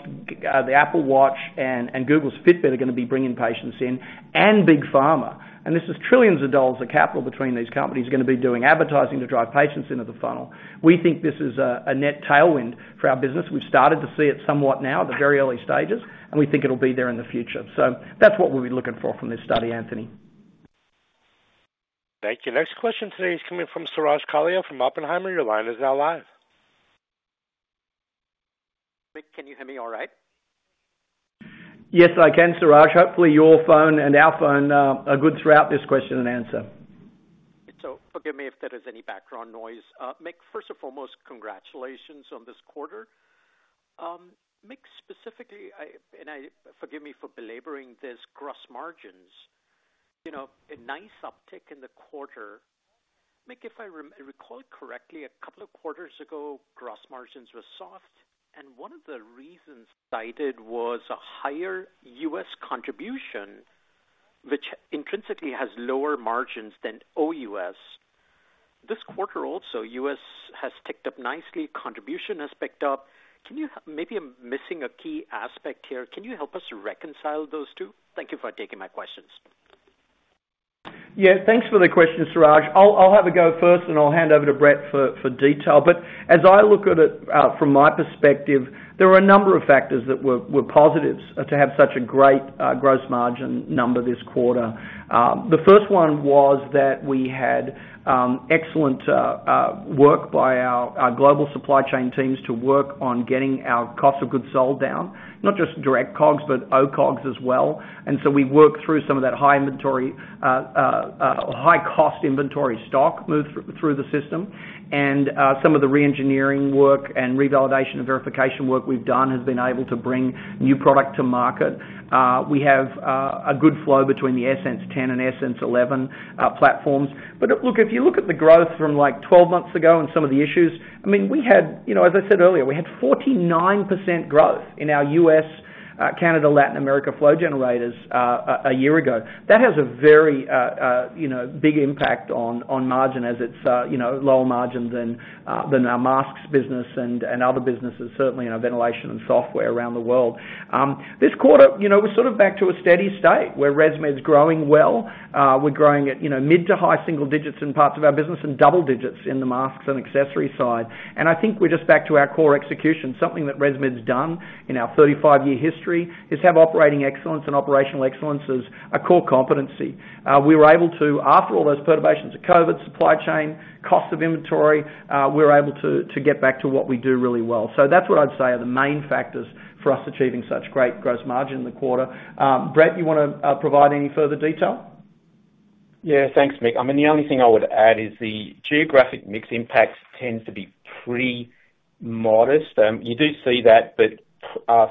the Apple Watch, and Google's Fitbit are going to be bringing patients in and big pharma and this is $ trillions of capital between these companies going to be doing advertising to drive patients into the funnel we think this is a net tailwind for our business. We've started to see it somewhat now at the very early stages and we think it'll be there in the future. So that's what we'll be looking for from this study Anthony. Thank you. Next question today is coming from Suraj Kalia from Oppenheimer. Your line is now live. Mick, can you hear me all right? Yes, I can, Suraj. Hopefully your phone and our phone are good throughout this question and answer. So forgive me if there is any background noise. Mick, first of all, most congratulations on this quarter. Mick, specifically, and forgive me for belaboring this, gross margins had a nice uptick in the quarter. Mick, if I recall correctly, a couple of quarters ago gross margins were soft, and one of the reasons cited was a higher U.S. contribution, which intrinsically has lower margins than OUS. This quarter also, U.S. contribution has ticked up nicely. Maybe I'm missing a key aspect here. Can you help us reconcile those two? Thank you for taking my questions. Yeah, thanks for the question, Suraj. I'll have a go first, and I'll hand over to Brett for detail, but as I look at it from my perspective, there are a number of factors that were positives to have such a great gross margin number this quarter. The first one was that we had excellent work by our global supply chain teams to work on getting our cost of goods sold down. Not just direct COGS, but OCOGS as well. And so we worked through some of that high inventory high cost inventory stock move through the system, and some of the reengineering work and revalidation and verification work we've done has been able to bring new product to market. We have a good flow between the S10 and S11 platforms. Look, if you look at the growth from like 12 months ago and some of the issues, I mean, we had, as I said earlier, we had 49% growth in our U.S., Canada, Latin America flow generators a year ago. That has a very big impact on margin as it's lower margin than our masks business and other businesses, certainly ventilation and software around the world. This quarter we're sort of back to a steady state where ResMed's growing well. We're growing at mid- to high-single digits in parts of our business and double digits in the masks and accessory side. And I think we're just back to our core execution. Something that ResMed's done in our 35-year history is have operating excellence and operational excellence as a core competency. We were able to, after all those perturbations of COVID supply chain, cost of inventory, we're able to get back to what we do really well. So that's what I'd say are the main factors for us achieving such great gross margin in the quarter. Brett, you want to provide any further detail? Yeah, thanks Mick. I mean the only thing I would add is the geographic mix impact tends to be pretty modest. You do see that but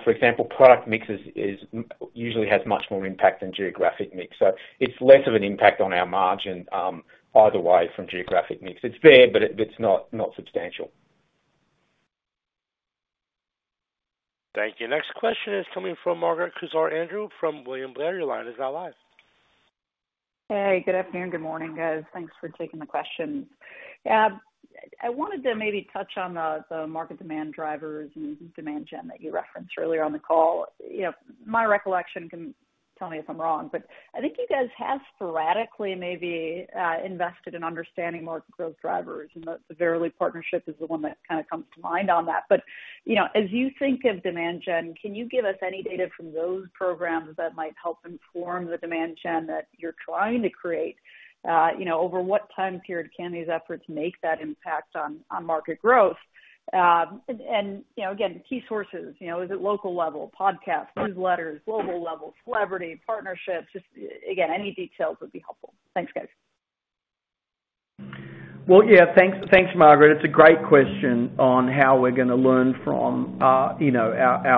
for example product mix usually has much more impact than geographic mix. So it's less of an impact on our margin either way from geographic mix. It's there but it's not substantial. Thank you. Next question is coming from Margaret Kaczor Andrew from William Blair. Your line is now live. Hey, good afternoon. Good morning, guys. Thanks for taking the questions. Yeah, I wanted to maybe touch on the market demand drivers and demand gen that you referenced earlier on the call. My recollection, can you tell me if I'm wrong, but I think you guys have sporadically maybe invested in understanding market growth drivers, and the Verily partnership is the one that kind of comes to mind on that. But as you think of demand gen, can you give us any data from those programs that might help inform the demand gen that you're trying to create? Over what time period can these efforts make that impact on market growth? And again, key sources, is it local level podcasts, newsletters, global level, celebrity, partnerships? Just again, any details would be helpful. Thanks, guys. Well yeah thanks Margaret. It's a great question on how we're going to learn from our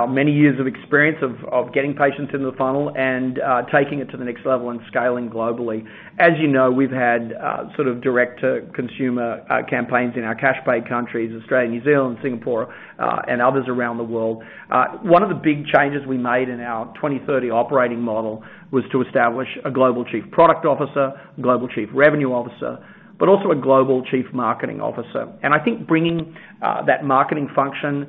many years of experience of getting patients into the funnel and taking it to the next level and scaling globally. As you know we've had sort of direct to consumer campaigns in our cash pay countries Australia, New Zealand, Singapore, and others around the world. One of the big changes we made in our 2030 operating model was to establish a Global Chief Product Officer, Global Chief Revenue Officer, but also a Global Chief Marketing Officer. I think bringing that marketing function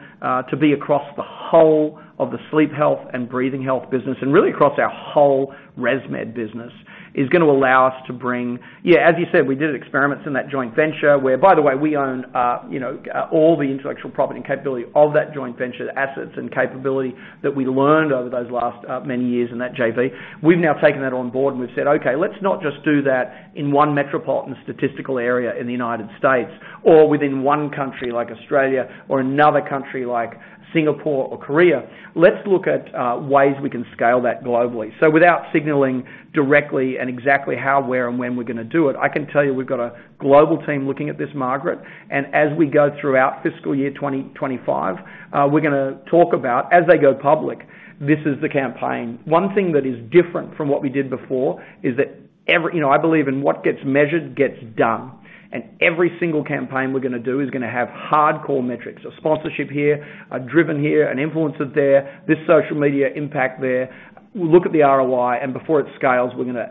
to be across the whole of the sleep health and breathing health business and really across our whole ResMed business is going to allow us to bring, yeah, as you said, we did experiments in that joint venture where, by the way, we own all the intellectual property and capability of that joint venture assets and capability that we learned over those last many years in that JV. We've now taken that on board and we've said, okay, let's not just do that in one metropolitan statistical area in the United States or within one country like Australia or another country like Singapore or Korea. Let's look at ways we can scale that globally. So, without signaling directly and exactly how, where, and when we're going to do it, I can tell you we've got a global team looking at this, Margaret, and as we go throughout fiscal year 2025, we're going to talk about as they go public this is the campaign. One thing that is different from what we did before is that I believe in what gets measured gets done, and every single campaign we're going to do is going to have hardcore metrics. A sponsorship here, an ad-driven here, an influencer there, this social media impact there. We'll look at the ROI, and before it scales, we're going to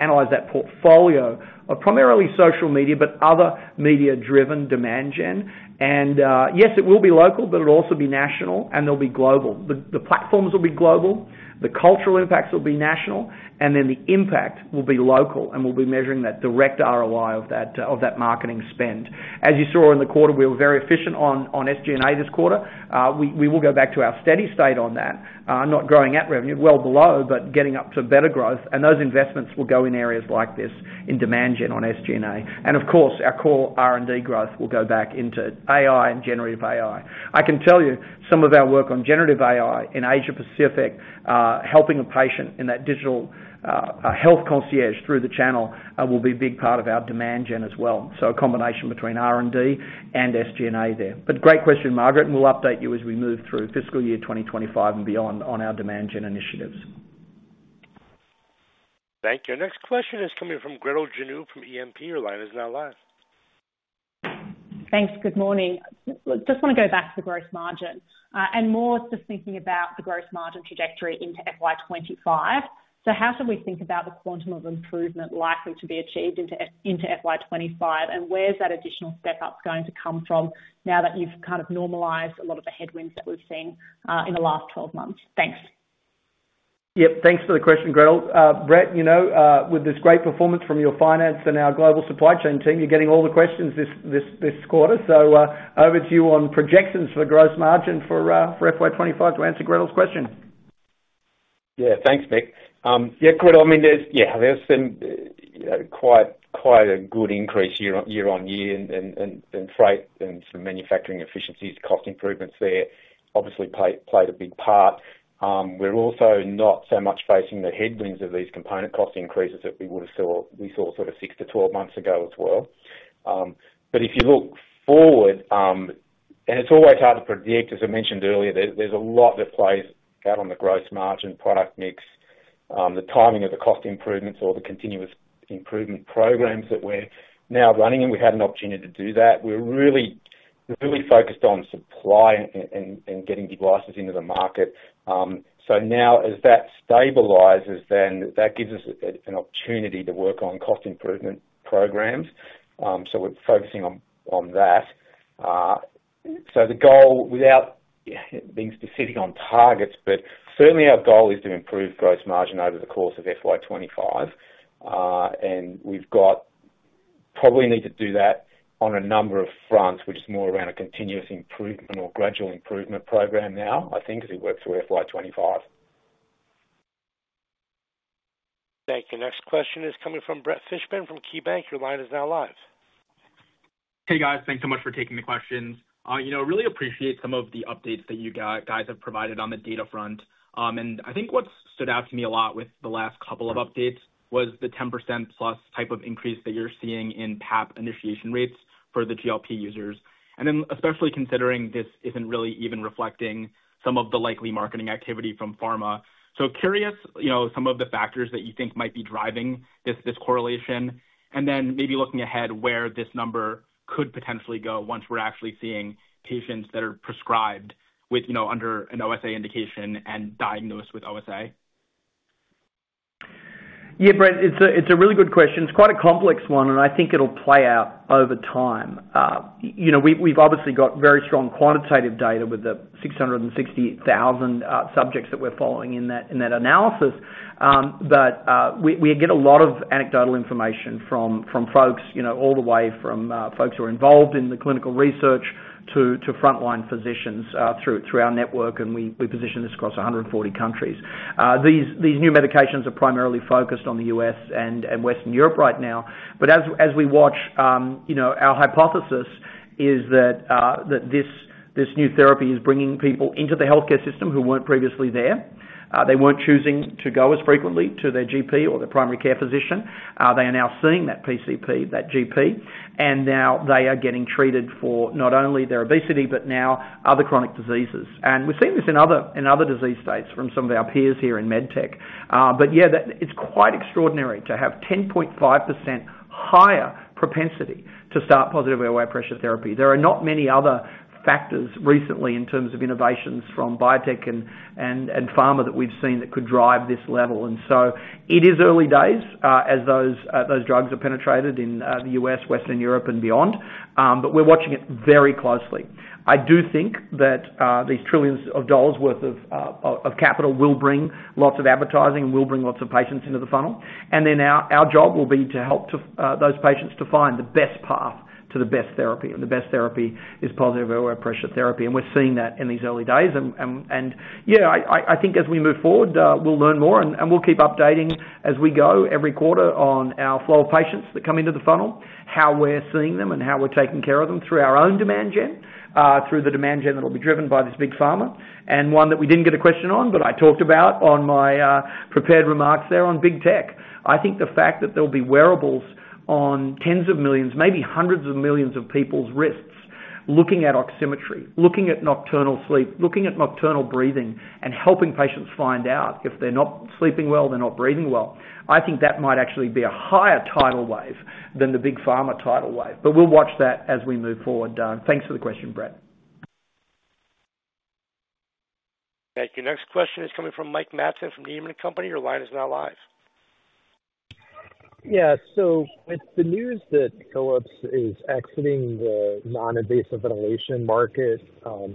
analyze that portfolio of primarily social media but other media-driven demand gen. And yes, it will be local, but it'll also be national, and there'll be global. The platforms will be global. The cultural impacts will be national and then the impact will be local and we'll be measuring that direct ROI of that marketing spend. As you saw in the quarter we were very efficient on SG&A this quarter. We will go back to our steady state on that. Not growing at revenue. Well below but getting up to better growth and those investments will go in areas like this in demand gen on SG&A. And of course our core R&D growth will go back into AI and generative AI. I can tell you some of our work on generative AI in Asia Pacific helping a patient in that digital health concierge through the channel will be a big part of our demand gen as well. So a combination between R&D and SG&A there. Great question, Margaret, and we'll update you as we move through fiscal year 2025 and beyond on our demand gen initiatives. Thank you. Next question is coming from Gretel Janu from E&P. Your line is now live. Thanks. Good morning. Just want to go back to the gross margin and more just thinking about the gross margin trajectory into FY 2025. So how should we think about the quantum of improvement likely to be achieved into FY 2025 and where's that additional step up going to come from now that you've kind of normalized a lot of the headwinds that we've seen in the last 12 months? Thanks. Yep, thanks for the question, Gretel. Brett, with this great performance from your finance and our global supply chain team, you're getting all the questions this quarter. Over to you on projections for the gross margin for FY 2025 to answer Gretel's question. Yeah, thanks, Mick. Yeah, Gretel, I mean, there's been quite a good increase year-on-year in freight and some manufacturing efficiencies. Cost improvements there obviously played a big part. We're also not so much facing the headwinds of these component cost increases that we would have saw we saw sort of 6-12 months ago as well. But if you look forward, and it's always hard to predict, as I mentioned earlier, there's a lot that plays out on the gross margin product mix. The timing of the cost improvements or the continuous improvement programs that we're now running and we had an opportunity to do that. We were really focused on supply and getting devices into the market. So now as that stabilizes, then that gives us an opportunity to work on cost improvement programs. So we're focusing on that. So the goal, without being specific on targets, but certainly our goal is to improve gross margin over the course of FY 2025, and we've got probably need to do that on a number of fronts, which is more around a continuous improvement or gradual improvement program now, I think, as we work through FY 2025. Thank you. Next question is coming from Brett Fishman from KeyBanc. Your line is now live. Hey guys. Thanks so much for taking the questions. I really appreciate some of the updates that you guys have provided on the data front and I think what stood out to me a lot with the last couple of updates was the 10%+ type of increase that you're seeing in PAP initiation rates for the GLP users. And then especially considering this isn't really even reflecting some of the likely marketing activity from pharma. So curious some of the factors that you think might be driving this correlation and then maybe looking ahead where this number could potentially go once we're actually seeing patients that are prescribed under an OSA indication and diagnosed with OSA. Yeah Brett it's a really good question. It's quite a complex one and I think it'll play out over time. We've obviously got very strong quantitative data with the 660,000 subjects that we're following in that analysis but we get a lot of anecdotal information from folks all the way from folks who are involved in the clinical research to frontline physicians through our network and we position this across 140 countries. These new medications are primarily focused on the US and Western Europe right now but as we watch our hypothesis is that this new therapy is bringing people into the healthcare system who weren't previously there. They weren't choosing to go as frequently to their GP or their primary care physician. They are now seeing that PCP that GP and now they are getting treated for not only their obesity but now other chronic diseases. And we're seeing this in other disease states from some of our peers here in MedTech. But yeah, it's quite extraordinary to have 10.5% higher propensity to start positive airway pressure therapy. There are not many other factors recently in terms of innovations from biotech and pharma that we've seen that could drive this level. And so it is early days as those drugs are penetrated in the U.S., Western Europe, and beyond, but we're watching it very closely. I do think that these trillions of dollars worth of capital will bring lots of advertising and will bring lots of patients into the funnel and then our job will be to help those patients to find the best path to the best therapy and the best therapy is positive airway pressure therapy and we're seeing that in these early days. Yeah, I think as we move forward we'll learn more and we'll keep updating as we go every quarter on our flow of patients that come into the funnel, how we're seeing them, and how we're taking care of them through our own demand gen, through the demand gen that'll be driven by this big pharma, and one that we didn't get a question on but I talked about on my prepared remarks there on big tech. I think the fact that there'll be wearables on tens of millions, maybe hundreds of millions of people's wrists looking at oximetry, looking at nocturnal sleep, looking at nocturnal breathing, and helping patients find out if they're not sleeping well, they're not breathing well. I think that might actually be a higher tidal wave than the big pharma tidal wave but we'll watch that as we move forward. Thanks for the question Brett. Thank you. Next question is coming from Mike Matson from Needham & Company. Your line is now live. Yeah, so with the news that Philips is exiting the non-invasive ventilation market,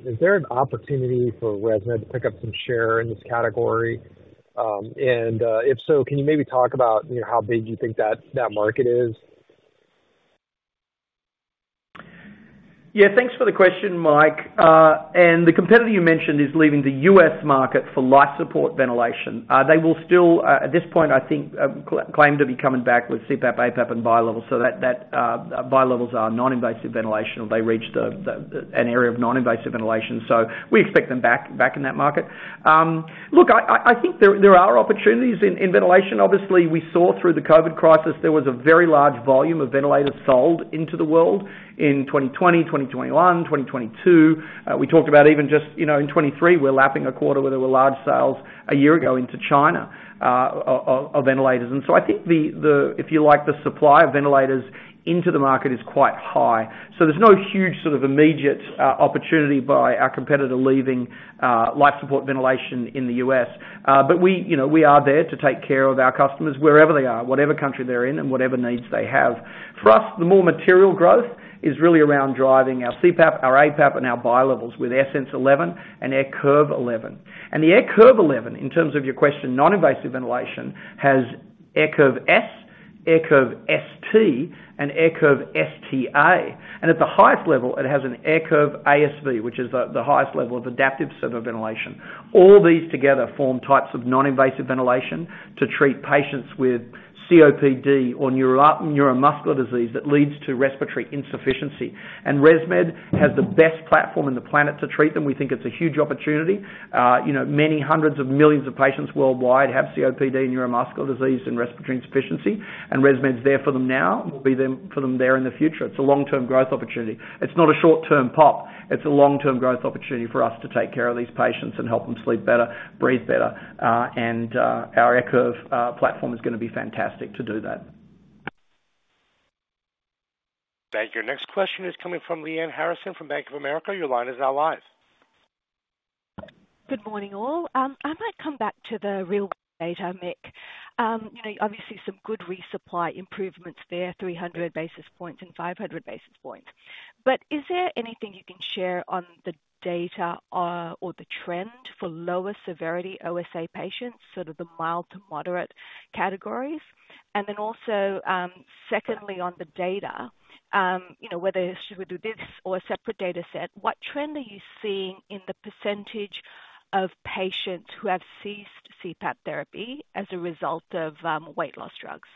is there an opportunity for ResMed to pick up some share in this category? And if so, can you maybe talk about how big you think that market is? Yeah, thanks for the question, Mike. And the competitor you mentioned is leaving the U.S. market for life support ventilation. They will still at this point I think claim to be coming back with CPAP, APAP, and bi-levels so that bi-levels are non-invasive ventilation or they reach an area of non-invasive ventilation so we expect them back in that market. Look, I think there are opportunities in ventilation. Obviously we saw through the COVID crisis there was a very large volume of ventilators sold into the world in 2020, 2021, 2022. We talked about even just in 2023 we're lapping a quarter where there were large sales a year ago into China of ventilators. And so I think the if you like the supply of ventilators into the market is quite high. So there's no huge sort of immediate opportunity by our competitor leaving life support ventilation in the U.S. but we are there to take care of our customers wherever they are, whatever country they're in, and whatever needs they have. For us the more material growth is really around driving our CPAP, our APAP, and our bi-levels with AirSense 11 and AirCurve 11. The AirCurve 11 in terms of your question non-invasive ventilation has AirCurve S, AirCurve ST, and AirCurve ST-A. At the highest level it has an AirCurve ASV which is the highest level of adaptive servo-ventilation. All these together form types of non-invasive ventilation to treat patients with COPD or neuromuscular disease that leads to respiratory insufficiency. ResMed has the best platform on the planet to treat them. We think it's a huge opportunity. Many hundreds of millions of patients worldwide have COPD, neuromuscular disease, and respiratory insufficiency, and ResMed's there for them now and will be there for them there in the future. It's a long term growth opportunity. It's not a short term pop. It's a long term growth opportunity for us to take care of these patients and help them sleep better, breathe better. Our AirCurve platform is going to be fantastic to do that. Thank you. Next question is coming from Lyanne Harrison from Bank of America. Your line is now live. Good morning all. I might come back to the real data, Mick. Obviously, some good resupply improvements there, 300 basis points and 500 basis points. But is there anything you can share on the data or the trend for lower severity OSA patients, sort of the mild to moderate categories? And then also secondly, on the data, whether we should do this or a separate data set, what trend are you seeing in the percentage of patients who have ceased CPAP therapy as a result of weight loss drugs?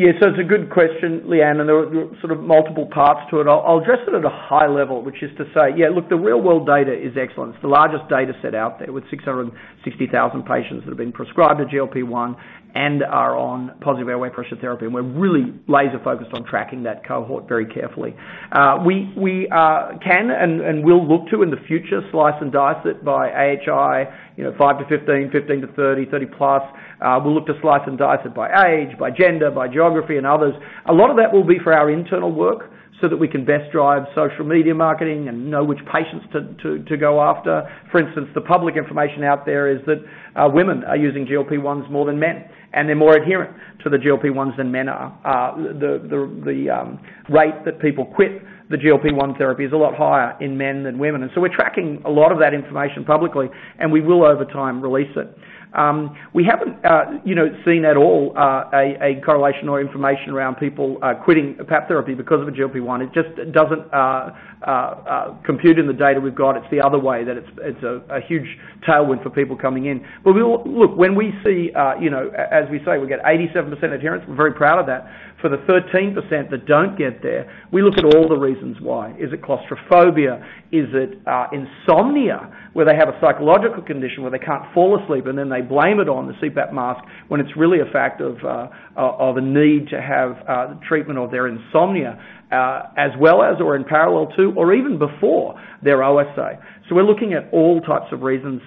Yeah, so it's a good question, Lyanne, and there are sort of multiple parts to it. I'll address it at a high level, which is to say, yeah, look, the real world data is excellent. It's the largest data set out there with 660,000 patients that have been prescribed a GLP-1 and are on positive airway pressure therapy, and we're really laser focused on tracking that cohort very carefully. We can and will look to in the future slice and dice it by AHI 5-15, 15-30, 30+. We'll look to slice and dice it by age, by gender, by geography, and others. A lot of that will be for our internal work so that we can best drive social media marketing and know which patients to go after. For instance, the public information out there is that women are using GLP-1s more than men, and they're more adherent to the GLP-1s than men are. The rate that people quit the GLP-1 therapy is a lot higher in men than women, and so we're tracking a lot of that information publicly, and we will over time release it. We haven't seen at all a correlation or information around people quitting PAP therapy because of a GLP-1. It just doesn't compute in the data we've got. It's the other way that it's a huge tailwind for people coming in. But look, when we see, as we say, we get 87% adherence; we're very proud of that. For the 13% that don't get there, we look at all the reasons why. Is it claustrophobia? Is it insomnia where they have a psychological condition where they can't fall asleep and then they blame it on the CPAP mask when it's really a fact of a need to have treatment of their insomnia as well as or in parallel to or even before their OSA? So we're looking at all types of reasons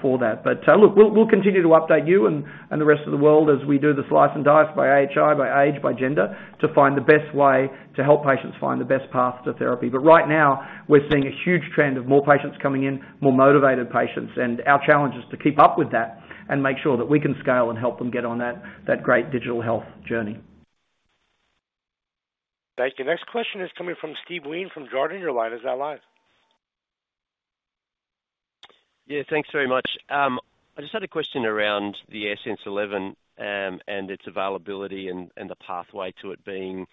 for that. But look we'll continue to update you and the rest of the world as we do the slice and dice by AHI, by age, by gender to find the best way to help patients find the best path to therapy. But right now we're seeing a huge trend of more patients coming in, more motivated patients, and our challenge is to keep up with that and make sure that we can scale and help them get on that great digital health journey. Thank you. Next question is coming from Steve Wheen from Jarden. Your line is now live. Yeah, thanks very much. I just had a question around the AirSense 11 and its availability and the pathway to it being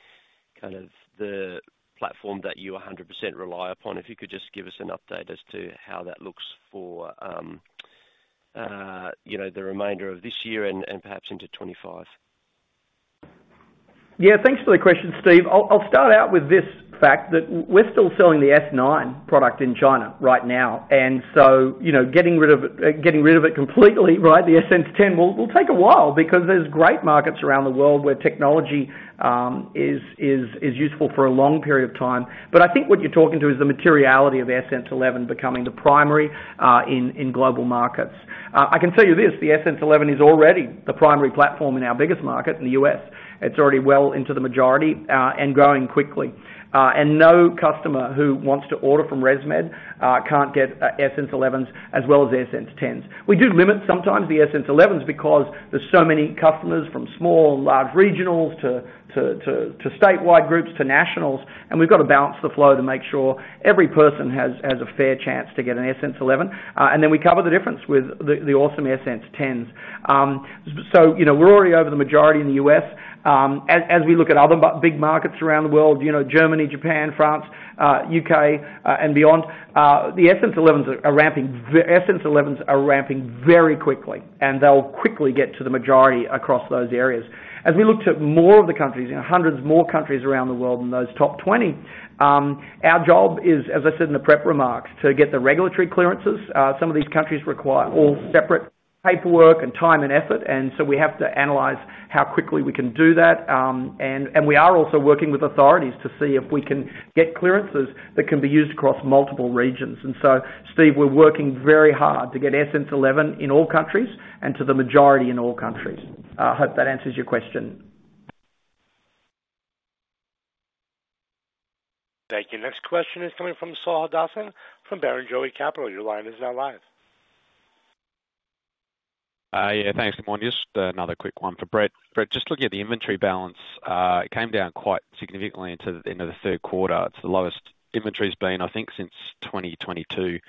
kind of the platform that you 100% rely upon. If you could just give us an update as to how that looks for the remainder of this year and perhaps into 2025. Yeah, thanks for the question, Steve. I'll start out with this fact that we're still selling the S9 product in China right now, and so getting rid of it completely, right, the AirSense 10 will take a while because there's great markets around the world where technology is useful for a long period of time. But I think what you're talking to is the materiality of AirSense 11 becoming the primary in global markets. I can tell you this: the AirSense 11 is already the primary platform in our biggest market in the U.S. It's already well into the majority and growing quickly. And no customer who wants to order from ResMed can't get AirSense 11s as well as AirSense 10s. We do limit sometimes the AirSense 11s because there's so many customers from small and large regionals to statewide groups to nationals and we've got to balance the flow to make sure every person has a fair chance to get an AirSense 11 and then we cover the difference with the awesome AirSense 10s. So we're already over the majority in the U.S. As we look at other big markets around the world Germany, Japan, France, U.K., and beyond the AirSense 11s are ramping AirSense 11s are ramping very quickly and they'll quickly get to the majority across those areas. As we look to more of the countries hundreds more countries around the world in those top 20 our job is as I said in the prep remarks to get the regulatory clearances. Some of these countries require all separate paperwork and time and effort and so we have to analyze how quickly we can do that. We are also working with authorities to see if we can get clearances that can be used across multiple regions. So Steve, we're working very hard to get AirSense 11 in all countries and to the majority in all countries. I hope that answers your question. Thank you. Next question is coming from Saul Hadassin from Barrenjoey Capital. Your line is now live. Yeah, thanks Simone. Just another quick one for Brett. Brett, just looking at the inventory balance, it came down quite significantly into the end of the third quarter. It's the lowest inventory's been, I think, since 2022.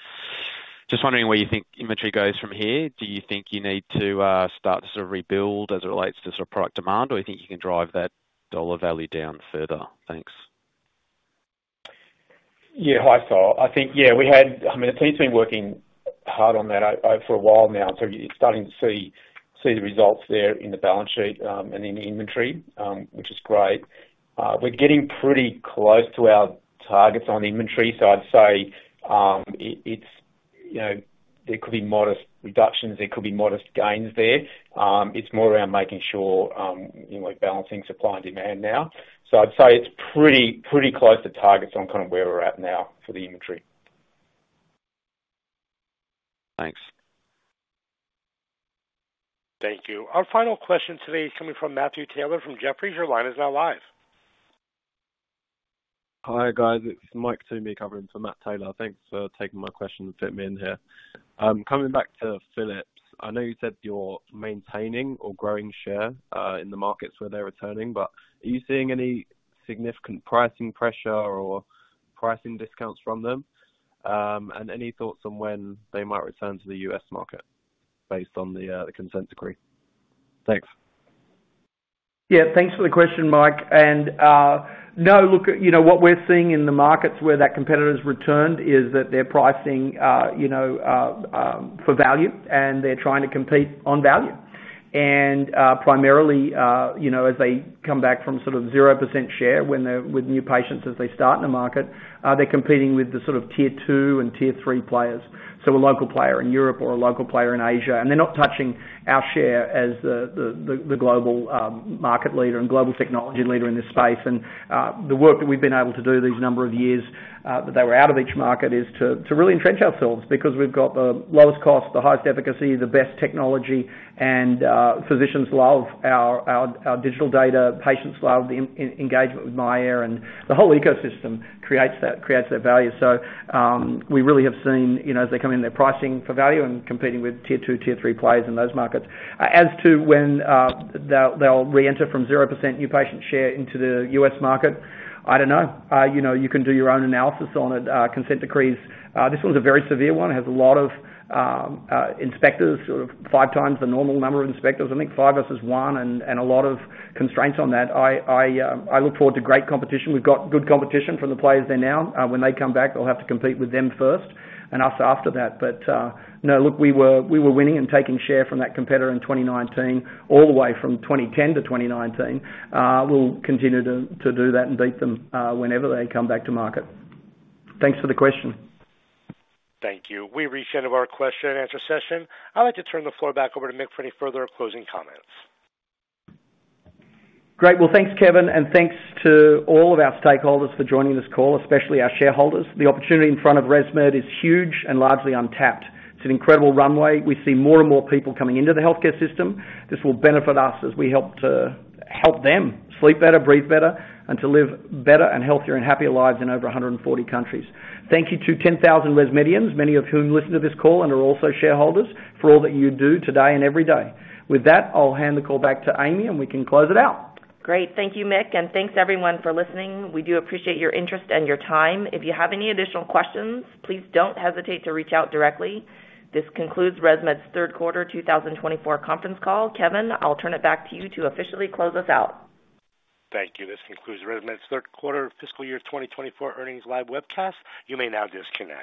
Just wondering where you think inventory goes from here. Do you think you need to start to sort of rebuild as it relates to sort of product demand or do you think you can drive that dollar value down further? Thanks. Yeah, hi Saul. I think yeah we had I mean the team's been working hard on that for a while now and so you're starting to see the results there in the balance sheet and in the inventory which is great. We're getting pretty close to our targets on inventory so I'd say it's there could be modest reductions. There could be modest gains there. It's more around making sure we're balancing supply and demand now. So I'd say it's pretty close to targets on kind of where we're at now for the inventory. Thanks. Thank you. Our final question today is coming from Matthew Taylor from Jefferies. Your line is now live. Hi guys, it's Mike Toomey covering for Matt Taylor. Thanks for taking my question and fitting me in here. Coming back to Philips, I know you said you're maintaining or growing share in the markets where they're returning, but are you seeing any significant pricing pressure or pricing discounts from them, and any thoughts on when they might return to the U.S. market based on the consent decree? Thanks. Yeah, thanks for the question, Mike. No, look at what we're seeing in the markets where that competitor's returned is that they're pricing for value and they're trying to compete on value. Primarily as they come back from sort of 0% share when they're with new patients as they start in the market, they're competing with the sort of tier two and tier three players, so a local player in Europe or a local player in Asia, and they're not touching our share as the global market leader and global technology leader in this space. The work that we've been able to do these number of years that they were out of each market is to really entrench ourselves because we've got the lowest cost, the highest efficacy, the best technology, and physicians love our digital data. Patients love the engagement with myAir and the whole ecosystem creates that creates that value. So we really have seen as they come in their pricing for value and competing with tier two, tier three players in those markets. As to when they'll reenter from 0% new patient share into the U.S. market I don't know. You can do your own analysis on it. Consent decrees. This one's a very severe one. It has a lot of inspectors sort of five times the normal number of inspectors I think five versus one and a lot of constraints on that. I look forward to great competition. We've got good competition from the players there now. When they come back they'll have to compete with them first and us after that. But no, look, we were winning and taking share from that competitor in 2019 all the way from 2010 to 2019. We'll continue to do that and beat them whenever they come back to market. Thanks for the question. Thank you. We have reached the end of our question-and-answer session. I'd like to turn the floor back over to Mick for any further or closing comments. Great, well, thanks Kevin and thanks to all of our stakeholders for joining this call, especially our shareholders. The opportunity in front of ResMed is huge and largely untapped. It's an incredible runway. We see more and more people coming into the healthcare system. This will benefit us as we help to help them sleep better, breathe better, and to live better and healthier and happier lives in over 140 countries. Thank you to 10,000 ResMedians, many of whom listen to this call and are also shareholders, for all that you do today and every day. With that, I'll hand the call back to Amy and we can close it out. Great, thank you, Mick, and thanks everyone for listening. We do appreciate your interest and your time. If you have any additional questions, please don't hesitate to reach out directly. This concludes ResMed's third quarter 2024 conference call. Kevin, I'll turn it back to you to officially close us out. Thank you. This concludes ResMed's third quarter fiscal year 2024 earnings live webcast. You may now disconnect.